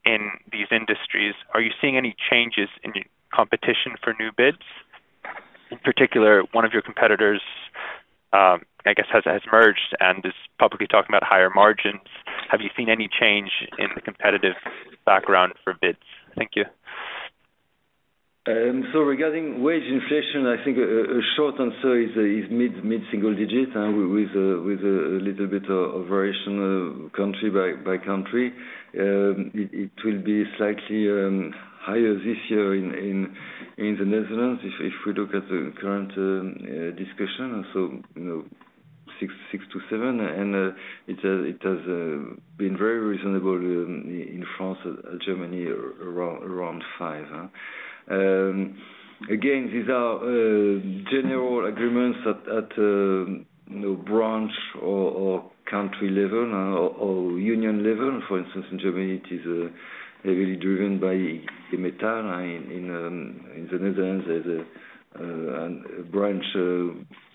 in these industries, are you seeing any changes in competition for new bids? In particular, one of your competitors, I guess, has merged and is publicly talking about higher margins. Have you seen any change in the competitive background for bids? Thank you. Regarding wage inflation, I think a short answer is mid-single digit, with a little bit of variation country by country. It will be slightly higher this year in the Netherlands if we look at the current discussion. you know, 6%-7%. It has been very reasonable in France and Germany, around 5%. Again, these are general agreements at you know, branch or country level or union level. For instance, in Germany, it is really driven by the metal in the Netherlands as a branch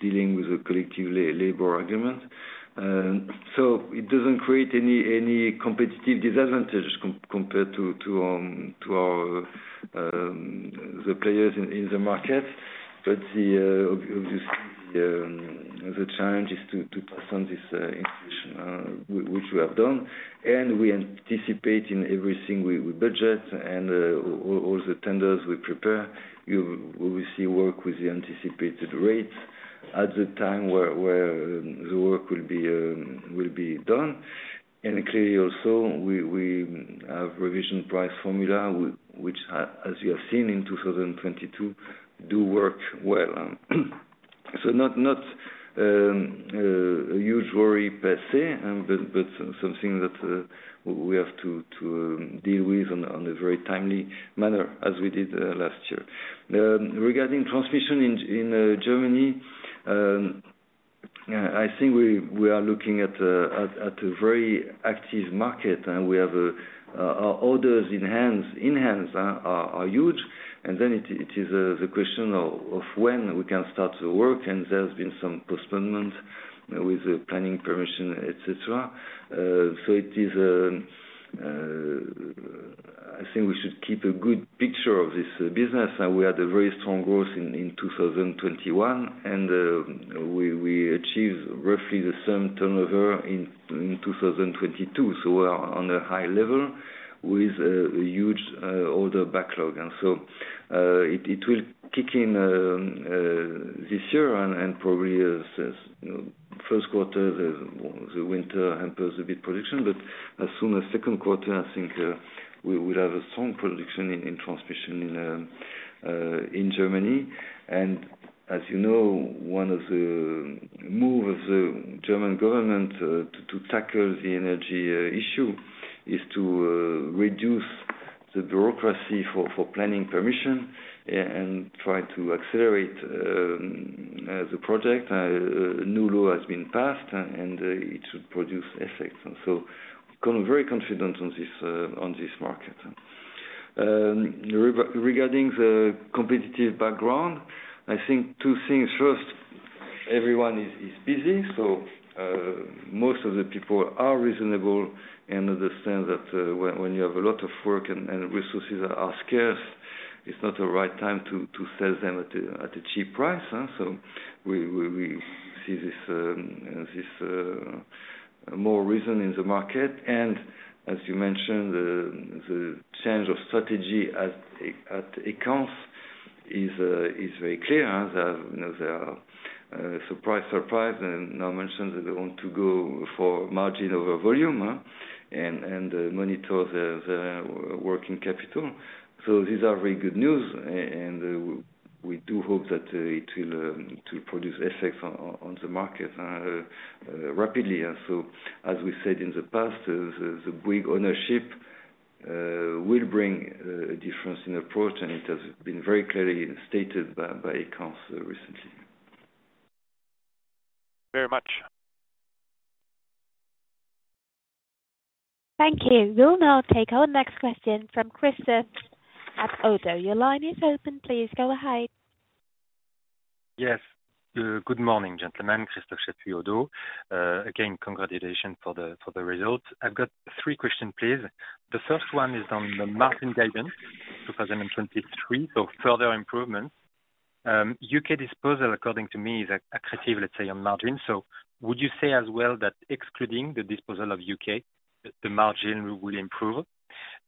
dealing with a collective labor agreement. It doesn't create any competitive disadvantages compared to our the players in the market. The obviously, the challenge is to pass on this inflation, which we have done, and we anticipate in every single budget and all the tenders we prepare, we see work with the anticipated rates at the time where the work will be done. Clearly also, we have revision price formula, which, as you have seen in 2022, do work well. Not a huge worry per se, but something that we have to deal with on a very timely manner as we did last year. Regarding transmission in Germany, I think we are looking at a very active market, and we have orders in hands, in hands are huge. It is the question of when we can start the work, and there's been some postponement with the planning permission, etc. I think we should keep a good picture of this business. We had a very strong growth in 2021 and we achieved roughly the same turnover in 2022. We are on a high level with a huge order backlog. It will kick in this year and probably as, you know, first quarter the winter hampers a bit production. As soon as second quarter, I think, we will have a strong production in transmission in Germany. As you know, one of the move of the German government to tackle the energy issue is to reduce the bureaucracy for planning permission and try to accelerate the project. New law has been passed and it should produce effects. Kind of very confident on this on this market. Regarding the competitive background, I think two things. First, everyone is busy, so most of the people are reasonable and understand that when you have a lot of work and resources are scarce, it's not the right time to sell them at a cheap price, huh? We see this this more reason in the market. As you mentioned, the change of strategy at EQUANS is very clear, huh? The, you know, the surprise, Now mentions that they want to go for margin over volume, and monitor the working capital. These are very good news, and we do hope that it will to produce effects on the market rapidly. As we said in the past, the big ownership will bring a difference in approach, and it has been very clearly stated by EQUANS recently. Very much. Thank you. We'll now take our next question from Christophe at ODDO. Your line is open. Please go ahead. Yes. Good morning, gentlemen. Christophe Tadié ODDO BHF. Again, congratulations for the, for the results. I've got three questions, please. The first one is on the margin guidance 2023, further improvements. U.K. disposal, according to me, is attractive, let's say, on margin. Would you say as well that excluding the disposal of U.K., the margin will improve?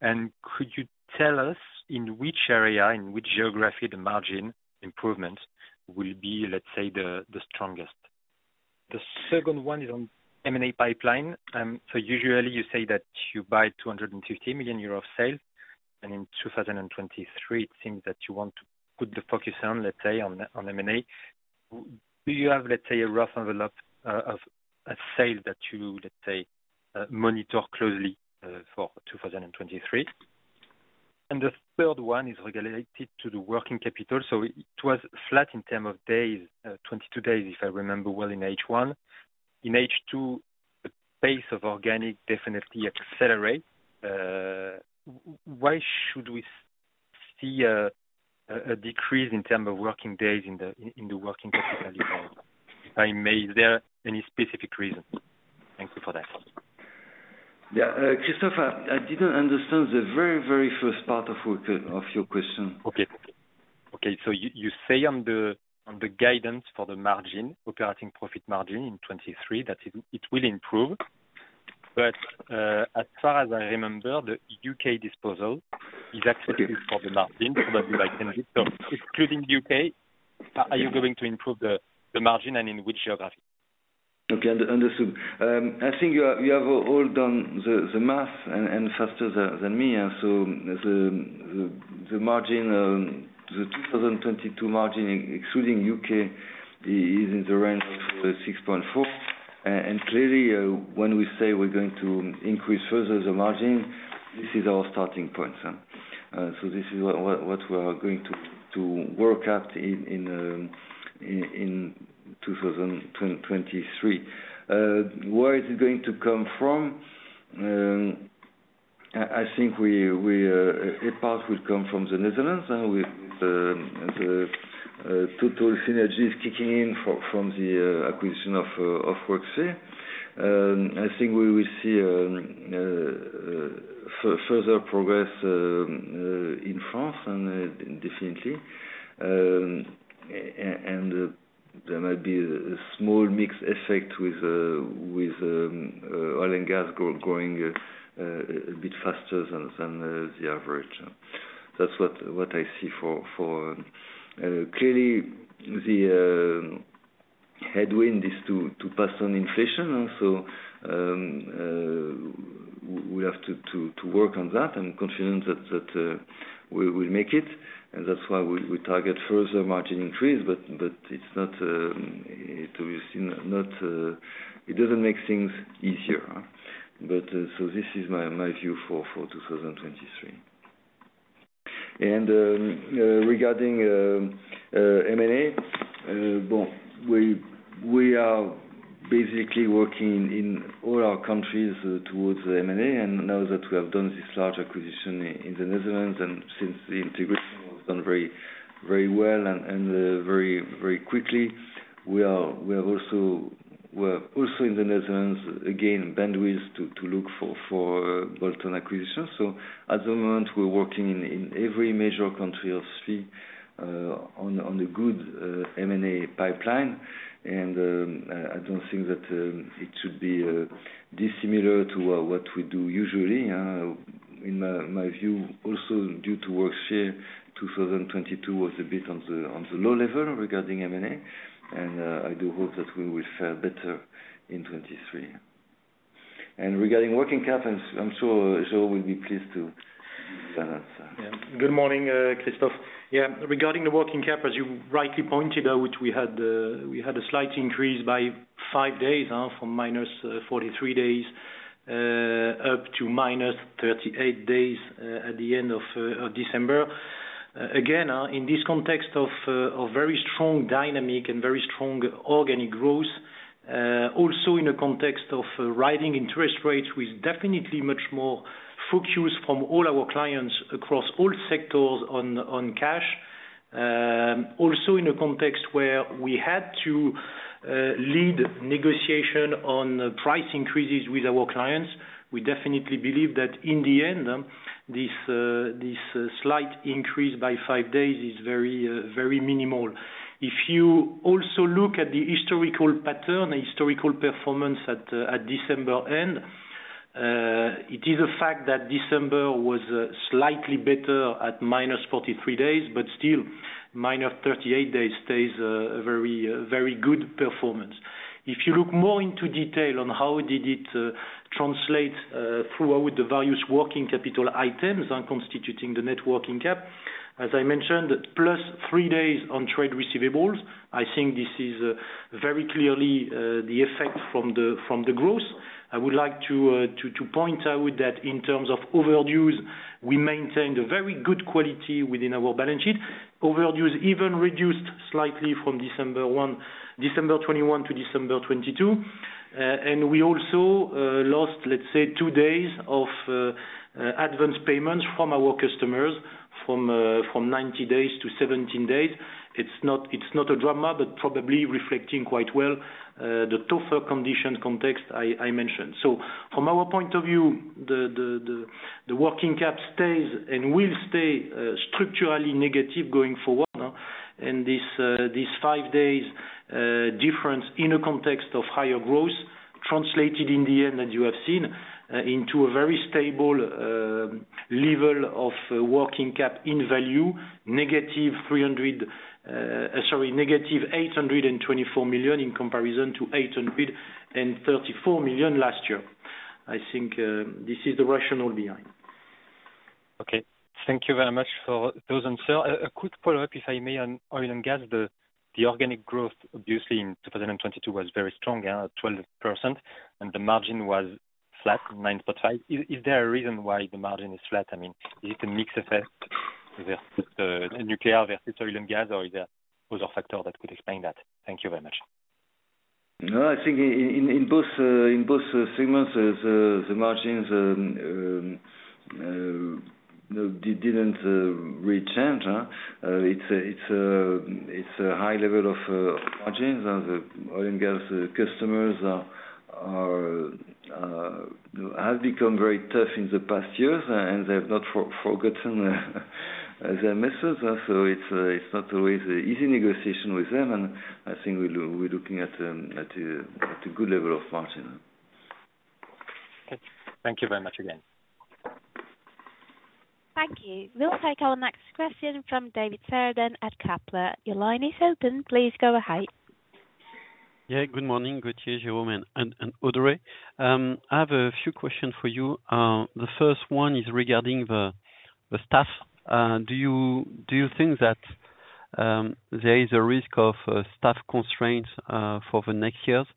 Could you tell us in which area, in which geography the margin improvement will be, let's say, the strongest? The second one is on M&A pipeline. Usually you say that you buy 250 million euro of sales. In 2023, it seems that you want to put the focus on, let's say, on M&A. Do you have, let's say, a rough envelope of sales that you, let's say, monitor closely for 2023? The third one is related to the working capital. It was flat in term of days, 22 days, if I remember well, in H1. In H2, the pace of organic definitely accelerate. Why should we see a decrease in term of working days in the, in the working capital? If I may, is there any specific reason? Thank you for that. Yeah. Christophe, I didn't understand the very, very first part of your, of your question? Okay, you say on the guidance for the margin, operating profit margin in 2023, that it will improve. As far as I remember, the U.K. disposal is actually for the margin, probably by 10 days. Excluding the U.K., are you going to improve the margin and in which geography? Okay, understood. I think you have all done the math and faster than me. The margin, the 2022 margin excluding UK is in the range of 6.4%. Clearly, when we say we're going to increase further the margin, this is our starting point, huh? This is what we are going to work at in 2023. Where is it going to come from? I think a part will come from the Netherlands with the total synergies kicking in from the acquisition of Worksphere. I think we will see further progress in France and definitely. There might be a small mixed effect with oil and gas growing a bit faster than the average. That's what I see for. Clearly the headwind is to pass on inflation. We have to work on that. I'm confident that we will make it, and that's why we target further margin increase. It's not, it will seem, not, it doesn't make things easier. This is my view for 2023. Regarding M&A, well, we are basically working in all our countries towards M&A. Now that we have done this large acquisition in the Netherlands, since the integration has done very, very well and very, very quickly, we are also, we're also in the Netherlands, again, bandwidth to look for bolt-on acquisitions. At the moment, we're working in every major country of SII on a good M&A pipeline. I don't think that it should be dissimilar to what we do usually. In my view, also due to Worksphere, 2022 was a bit on the low level regarding M&A. I do hope that we will fare better in 23. Regarding working capital, I'm sure Jérôme will be pleased to answer. Yeah. Good morning, Christophe. Yeah, regarding the working cap, as you rightly pointed out, which we had, we had a slight increase by 5 days, from minus 43 days, up to minus 38 days, at the end of December. Again, in this context of very strong dynamic and very strong organic growth, also in a context of rising interest rates, with definitely much more focus from all our clients across all sectors on cash. Also in a context where we had to lead negotiation on price increases with our clients. We definitely believe that in the end, this slight increase by 5 days is very, very minimal. If you also look at the historical pattern, historical performance at December end, it is a fact that December was slightly better at -43 days, but still -38 days stays a very, very good performance. If you look more into detail on how did it translate throughout the various working capital items on constituting the net working cap. As I mentioned, +3 days on trade receivables. I think this is very clearly the effect from the growth. I would like to point out that in terms of overdues, we maintained a very good quality within our balance sheet. Overdues even reduced slightly from December 2021 to December 2022. Uh, and we also, uh, lost, let's say, two days of, uh, uh, advanced payments from our customers from, uh, from ninety days to seventeen days. It's not, it's not a drama, but probably reflecting quite well, uh, the tougher condition context I, I mentioned. So from our point of view, the, the, the, the working cap stays and will stay, uh, structurally negative going forward. And this, uh, this five days, uh, difference in a context of higher growth translated in the end, as you have seen, uh, into a very stable, uh, level of working cap in value, negative three hundred, uh, sorry, negative eight hundred and twenty-four million in comparison to eight hundred and thirty-four million last year. I think, uh, this is the rationale behind. Okay. Thank you very much for those answer. A quick follow-up, if I may, on oil and gas. The organic growth, obviously in 2022 was very strong, yeah, at 12%, and the margin was flat, 9.5%. Is there a reason why the margin is flat? I mean, is it a mix effect versus nuclear versus oil and gas, or is there other factor that could explain that? Thank you very much. No, I think in both segments, the margins didn't really change. It's a high level of margins. The oil and gas customers are have become very tough in the past years, and they have not forgotten their message. It's not always easy negotiation with them, and I think we're looking at a good level of margin. Okay. Thank you very much again. Thank you. We'll take our next question from David Cerdan at Kepler Cheuvreux. Your line is open. Please go ahead. Yeah, good morning, Gretchen, Jérôme and Audrey. I have a few questions for you. The first one is regarding the staff. Do you think that there is a risk of staff constraints for the next years?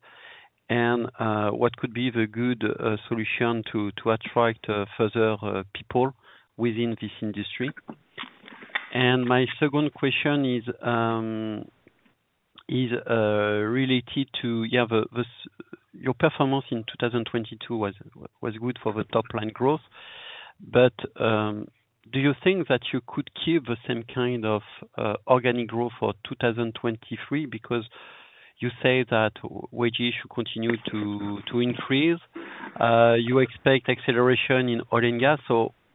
What could be the good solution to attract further people within this industry? My second question is related to, yeah, your performance in 2022 was good for the top line growth. Do you think that you could keep the same kind of organic growth for 2023? Because you say that wages should continue to increase. You expect acceleration in oil and gas.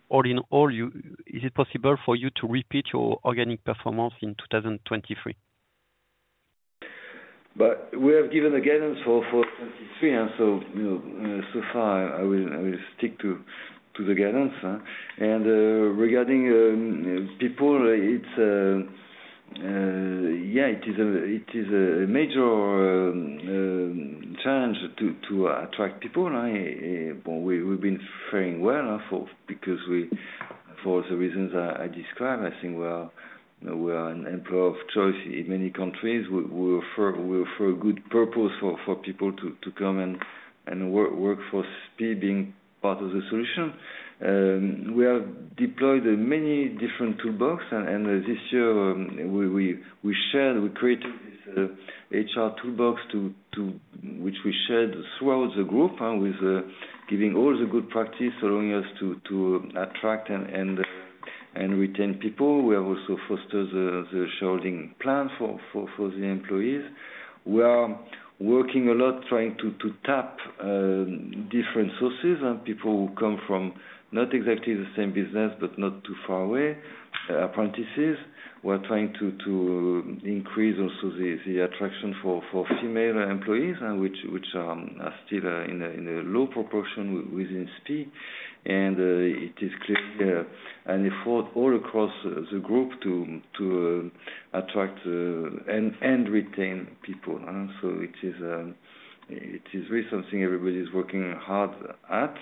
All in all, is it possible for you to repeat your organic performance in 2023? We have given the guidance for 2023, you know, so far I will stick to the guidance. Regarding people, it's yeah, it is a major challenge to attract people. Well, we've been faring well because we, for the reasons I described. I think we are an employer of choice in many countries. We offer a good purpose for people to come and work for SPIE being part of the solution. We have deployed many different toolbox, and this year we shared, we created this HR toolbox to which we shared throughout the group with giving all the good practice, allowing us to attract and retain people. We have also foster the sharing plan for the employees. We are working a lot trying to tap different sources and people who come from not exactly the same business, but not too far away. Apprentices. We're trying to increase also the attraction for female employees, which are still in a low proportion within SPIE. It is clear and effort all across the group to attract and retain people. It is really something everybody's working hard at.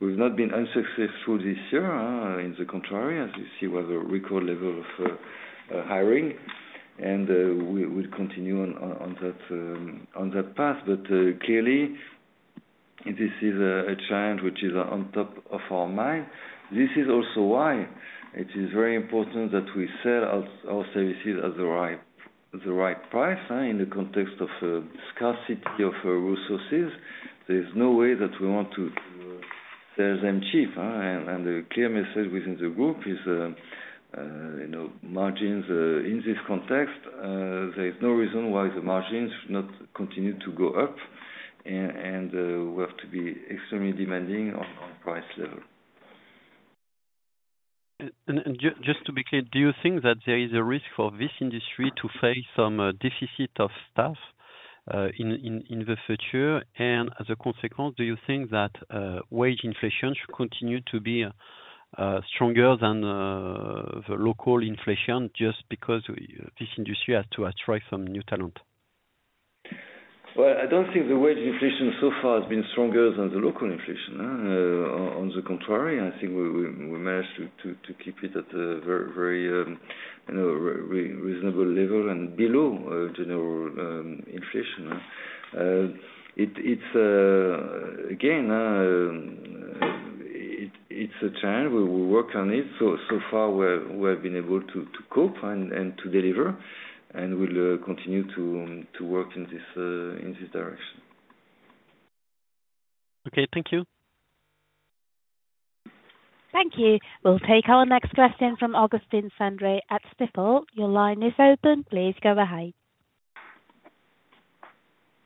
We've not been unsuccessful this year in the contrary. As you see we have a record level of hiring, and we continue on that path. Clearly, this is a challenge which is on top of our mind. This is also why it is very important that we sell our services at the right price, in the context of scarcity of resources. There's no way that we want to sell them cheap, and the clear message within the group is, you know, margins, in this context, there is no reason why the margins should not continue to go up. We have to be extremely demanding on price level. Just to be clear, do you think that there is a risk for this industry to face some deficit of staff in the future, and as a consequence, do you think that wage inflation should continue to be stronger than the local inflation just because this industry has to attract some new talent? Well, I don't think the wage inflation so far has been stronger than the local inflation. On the contrary, I think we managed to keep it at a very, you know, reasonable level and below general inflation. It's again, it's a challenge. We will work on it. So far we've been able to cope and to deliver, and we'll continue to work in this direction. Okay. Thank you. Thank you. We'll take our next question from Augustin Sandray at Stifel. Your line is open. Please go ahead.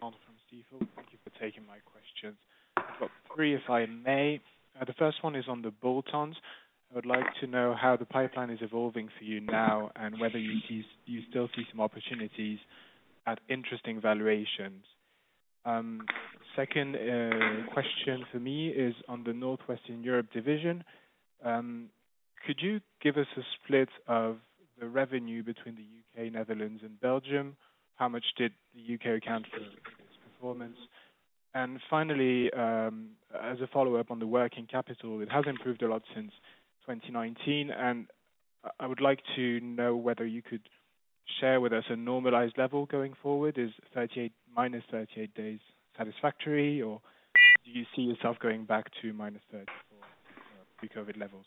Augustin Sandray at Stifel. Thank you for taking my questions. I've got three, if I may. The first one is on the bolt-ons. I would like to know how the pipeline is evolving for you now and whether you still see some opportunities at interesting valuations. Second, question for me is on the Northwestern Europe division. Could you give us a split of the revenue between the U.K., Netherlands and Belgium? How much did the UK account for this performance? Finally, as a follow-up on the working capital, it has improved a lot since 2019, and I would like to know whether you could share with us a normalized level going forward. Is -38 days satisfactory, or do you see yourself going back to -34 pre-COVID levels?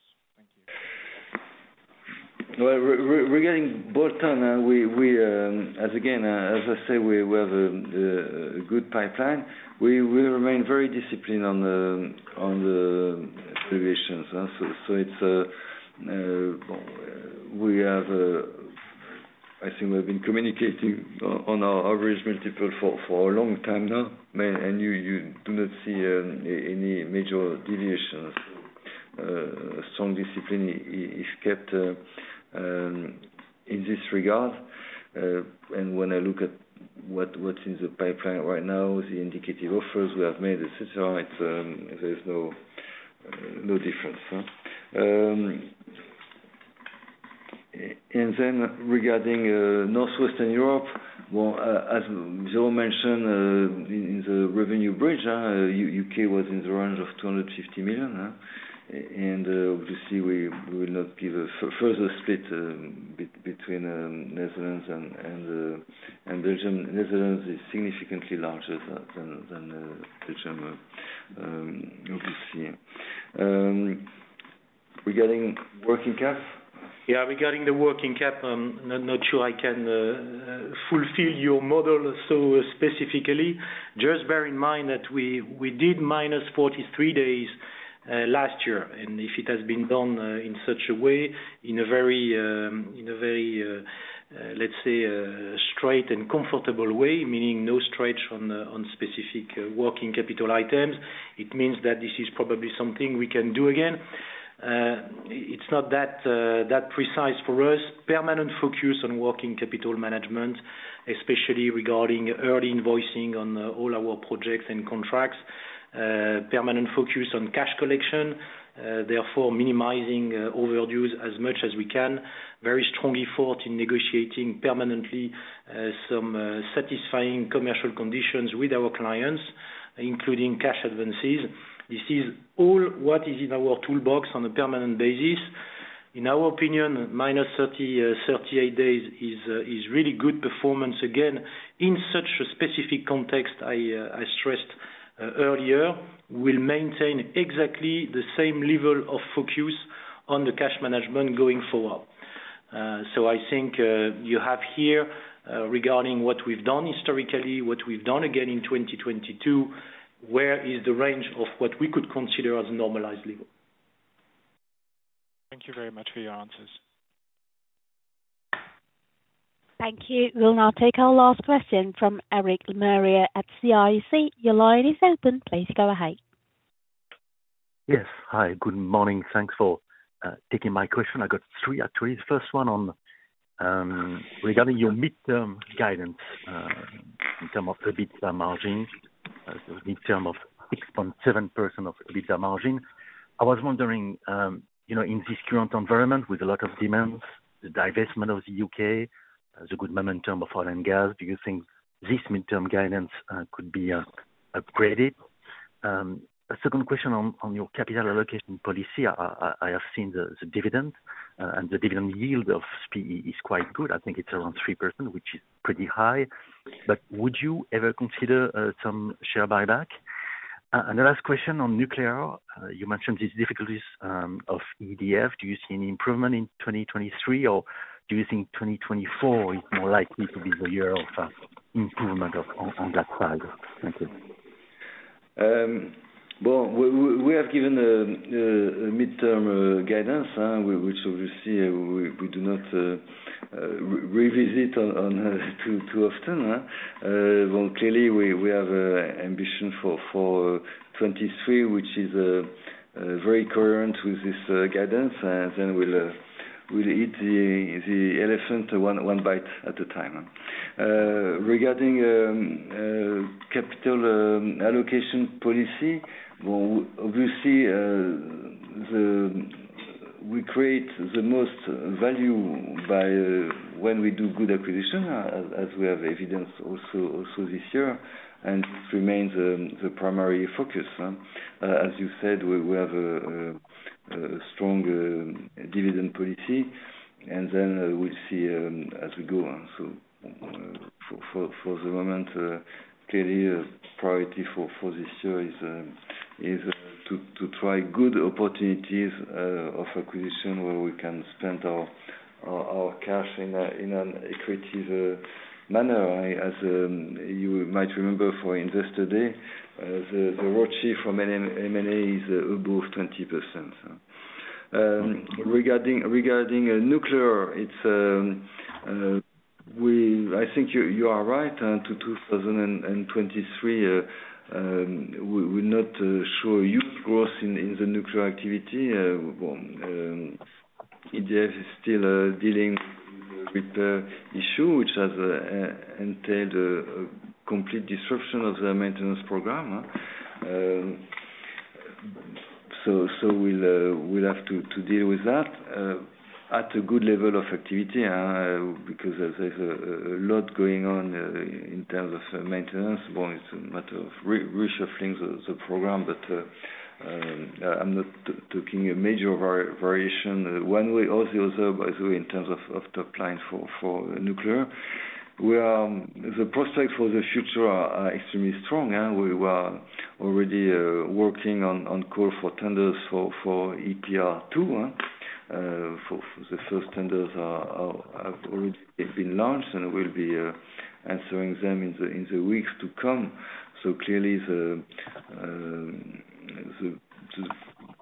Thank you. Well, regarding bolt-on, we, as again, as I say, we have a good pipeline. We remain very disciplined on the valuations. It's, we have, I think we've been communicating on our average multiple for a long time now, and you do not see any major deviations. Strong discipline is kept in this regard. When I look at what's in the pipeline right now, the indicative offers we have made, et cetera, it's, there's no difference. Regarding Northwestern Europe, well, as Jérôme mentioned, in the revenue bridge, U.K. was in the range of 250 million, and obviously we will not give a further split between Netherlands and Belgium. Netherlands is significantly larger than Belgium, obviously. Regarding working cap? Yeah, regarding the working cap, I'm not sure I can fulfill your model so specifically. Just bear in mind that we did minus 43 days last year, and if it has been done in such a way, in a very straight and comfortable way, meaning no stretch on specific working capital items, it means that this is probably something we can do again. It's not that precise for us. Permanent focus on working capital management, especially regarding early invoicing on all our projects and contracts. Permanent focus on cash collection, therefore minimizing overdues as much as we can. Very strong effort in negotiating permanently some satisfying commercial conditions with our clients, including cash advances. This is all what is in our toolbox on a permanent basis. In our opinion, minus 38 days is really good performance again in such a specific context I stressed earlier. We'll maintain exactly the same level of focus on the cash management going forward. I think you have here regarding what we've done historically, what we've done again in 2022, where is the range of what we could consider as a normalized level. Thank you very much for your answers. Thank you. We'll now take our last question from Eric Mura at CIC. Your line is open. Please go ahead. Yes. Hi. Good morning. Thanks for taking my question. I got three actually. The first one on regarding your midterm guidance, in terms of the EBITDA margins, in terms of 6.7% of EBITDA margin. I was wondering, you know, in this current environment, with a lot of demands, the divestment of the UK, the good momentum of oil and gas, do you think this midterm guidance could be upgraded? A second question on your capital allocation policy. I have seen the dividend and the dividend yield of SPIE is quite good. I think it's around 3%, which is pretty high. Would you ever consider some share buyback? The last question on nuclear. You mentioned these difficulties of EDF. Do you see any improvement in 2023, or do you think 2024 is more likely to be the year of improvement of on that side? Thank you. Well, we have given the midterm guidance which obviously we do not revisit on too often. Well, clearly we have a ambition for 23 which is very current with this guidance. We'll eat the elephant one bite at a time. Regarding capital allocation policy well obviously we create the most value by when we do good acquisition as we have evidenced also this year and remains the primary focus huh. As you said we have a strong dividend policy we'll see as we go on. For the moment, clearly priority for this year is to try good opportunities of acquisition where we can spend our cash in an accretive manner. As you might remember from yesterday, the ROIC from M&A is above 20%. Regarding nuclear, it's, I think you are right. To 2023, we're not sure huge growth in the nuclear activity. Well, EDF is still dealing with the issue which has entailed a complete disruption of the maintenance program, huh. We'll have to deal with that at a good level of activity because there's a lot going on in terms of maintenance. Well, it's a matter of reshuffling the program, but I'm not talking a major variation one way or the other, but in terms of top line for nuclear. The prospects for the future are extremely strong. We were already working on call for tenders for EPR2, for the first tenders are already been launched, and we'll be answering them in the weeks to come. Clearly the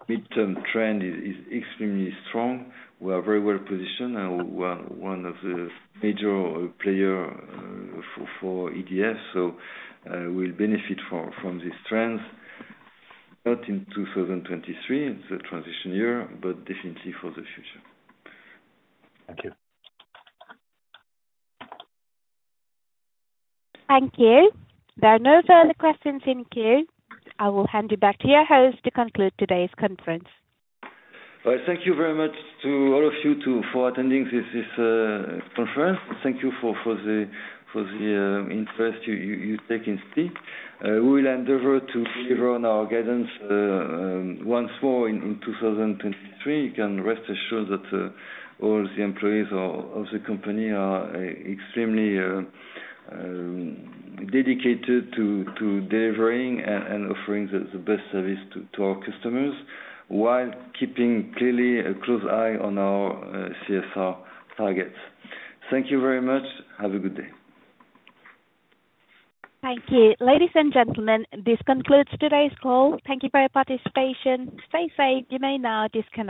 midterm trend is extremely strong. We are very well positioned. We're one of the major player for EDF, we'll benefit from these trends, not in 2023, it's a transition year, but definitely for the future. Thank you. Thank you. There are no further questions in queue. I will hand you back to your host to conclude today's conference. Well, thank you very much to all of you for attending this conference. Thank you for the, for the interest you take in SPIE. We will endeavor to deliver on our guidance once more in 2023. You can rest assured that all the employees of the company are extremely dedicated to delivering and offering the best service to our customers, while keeping clearly a close eye on our CSR targets. Thank you very much. Have a good day. Thank you. Ladies and gentlemen, this concludes today's call. Thank you for your participation. You may now disconnect.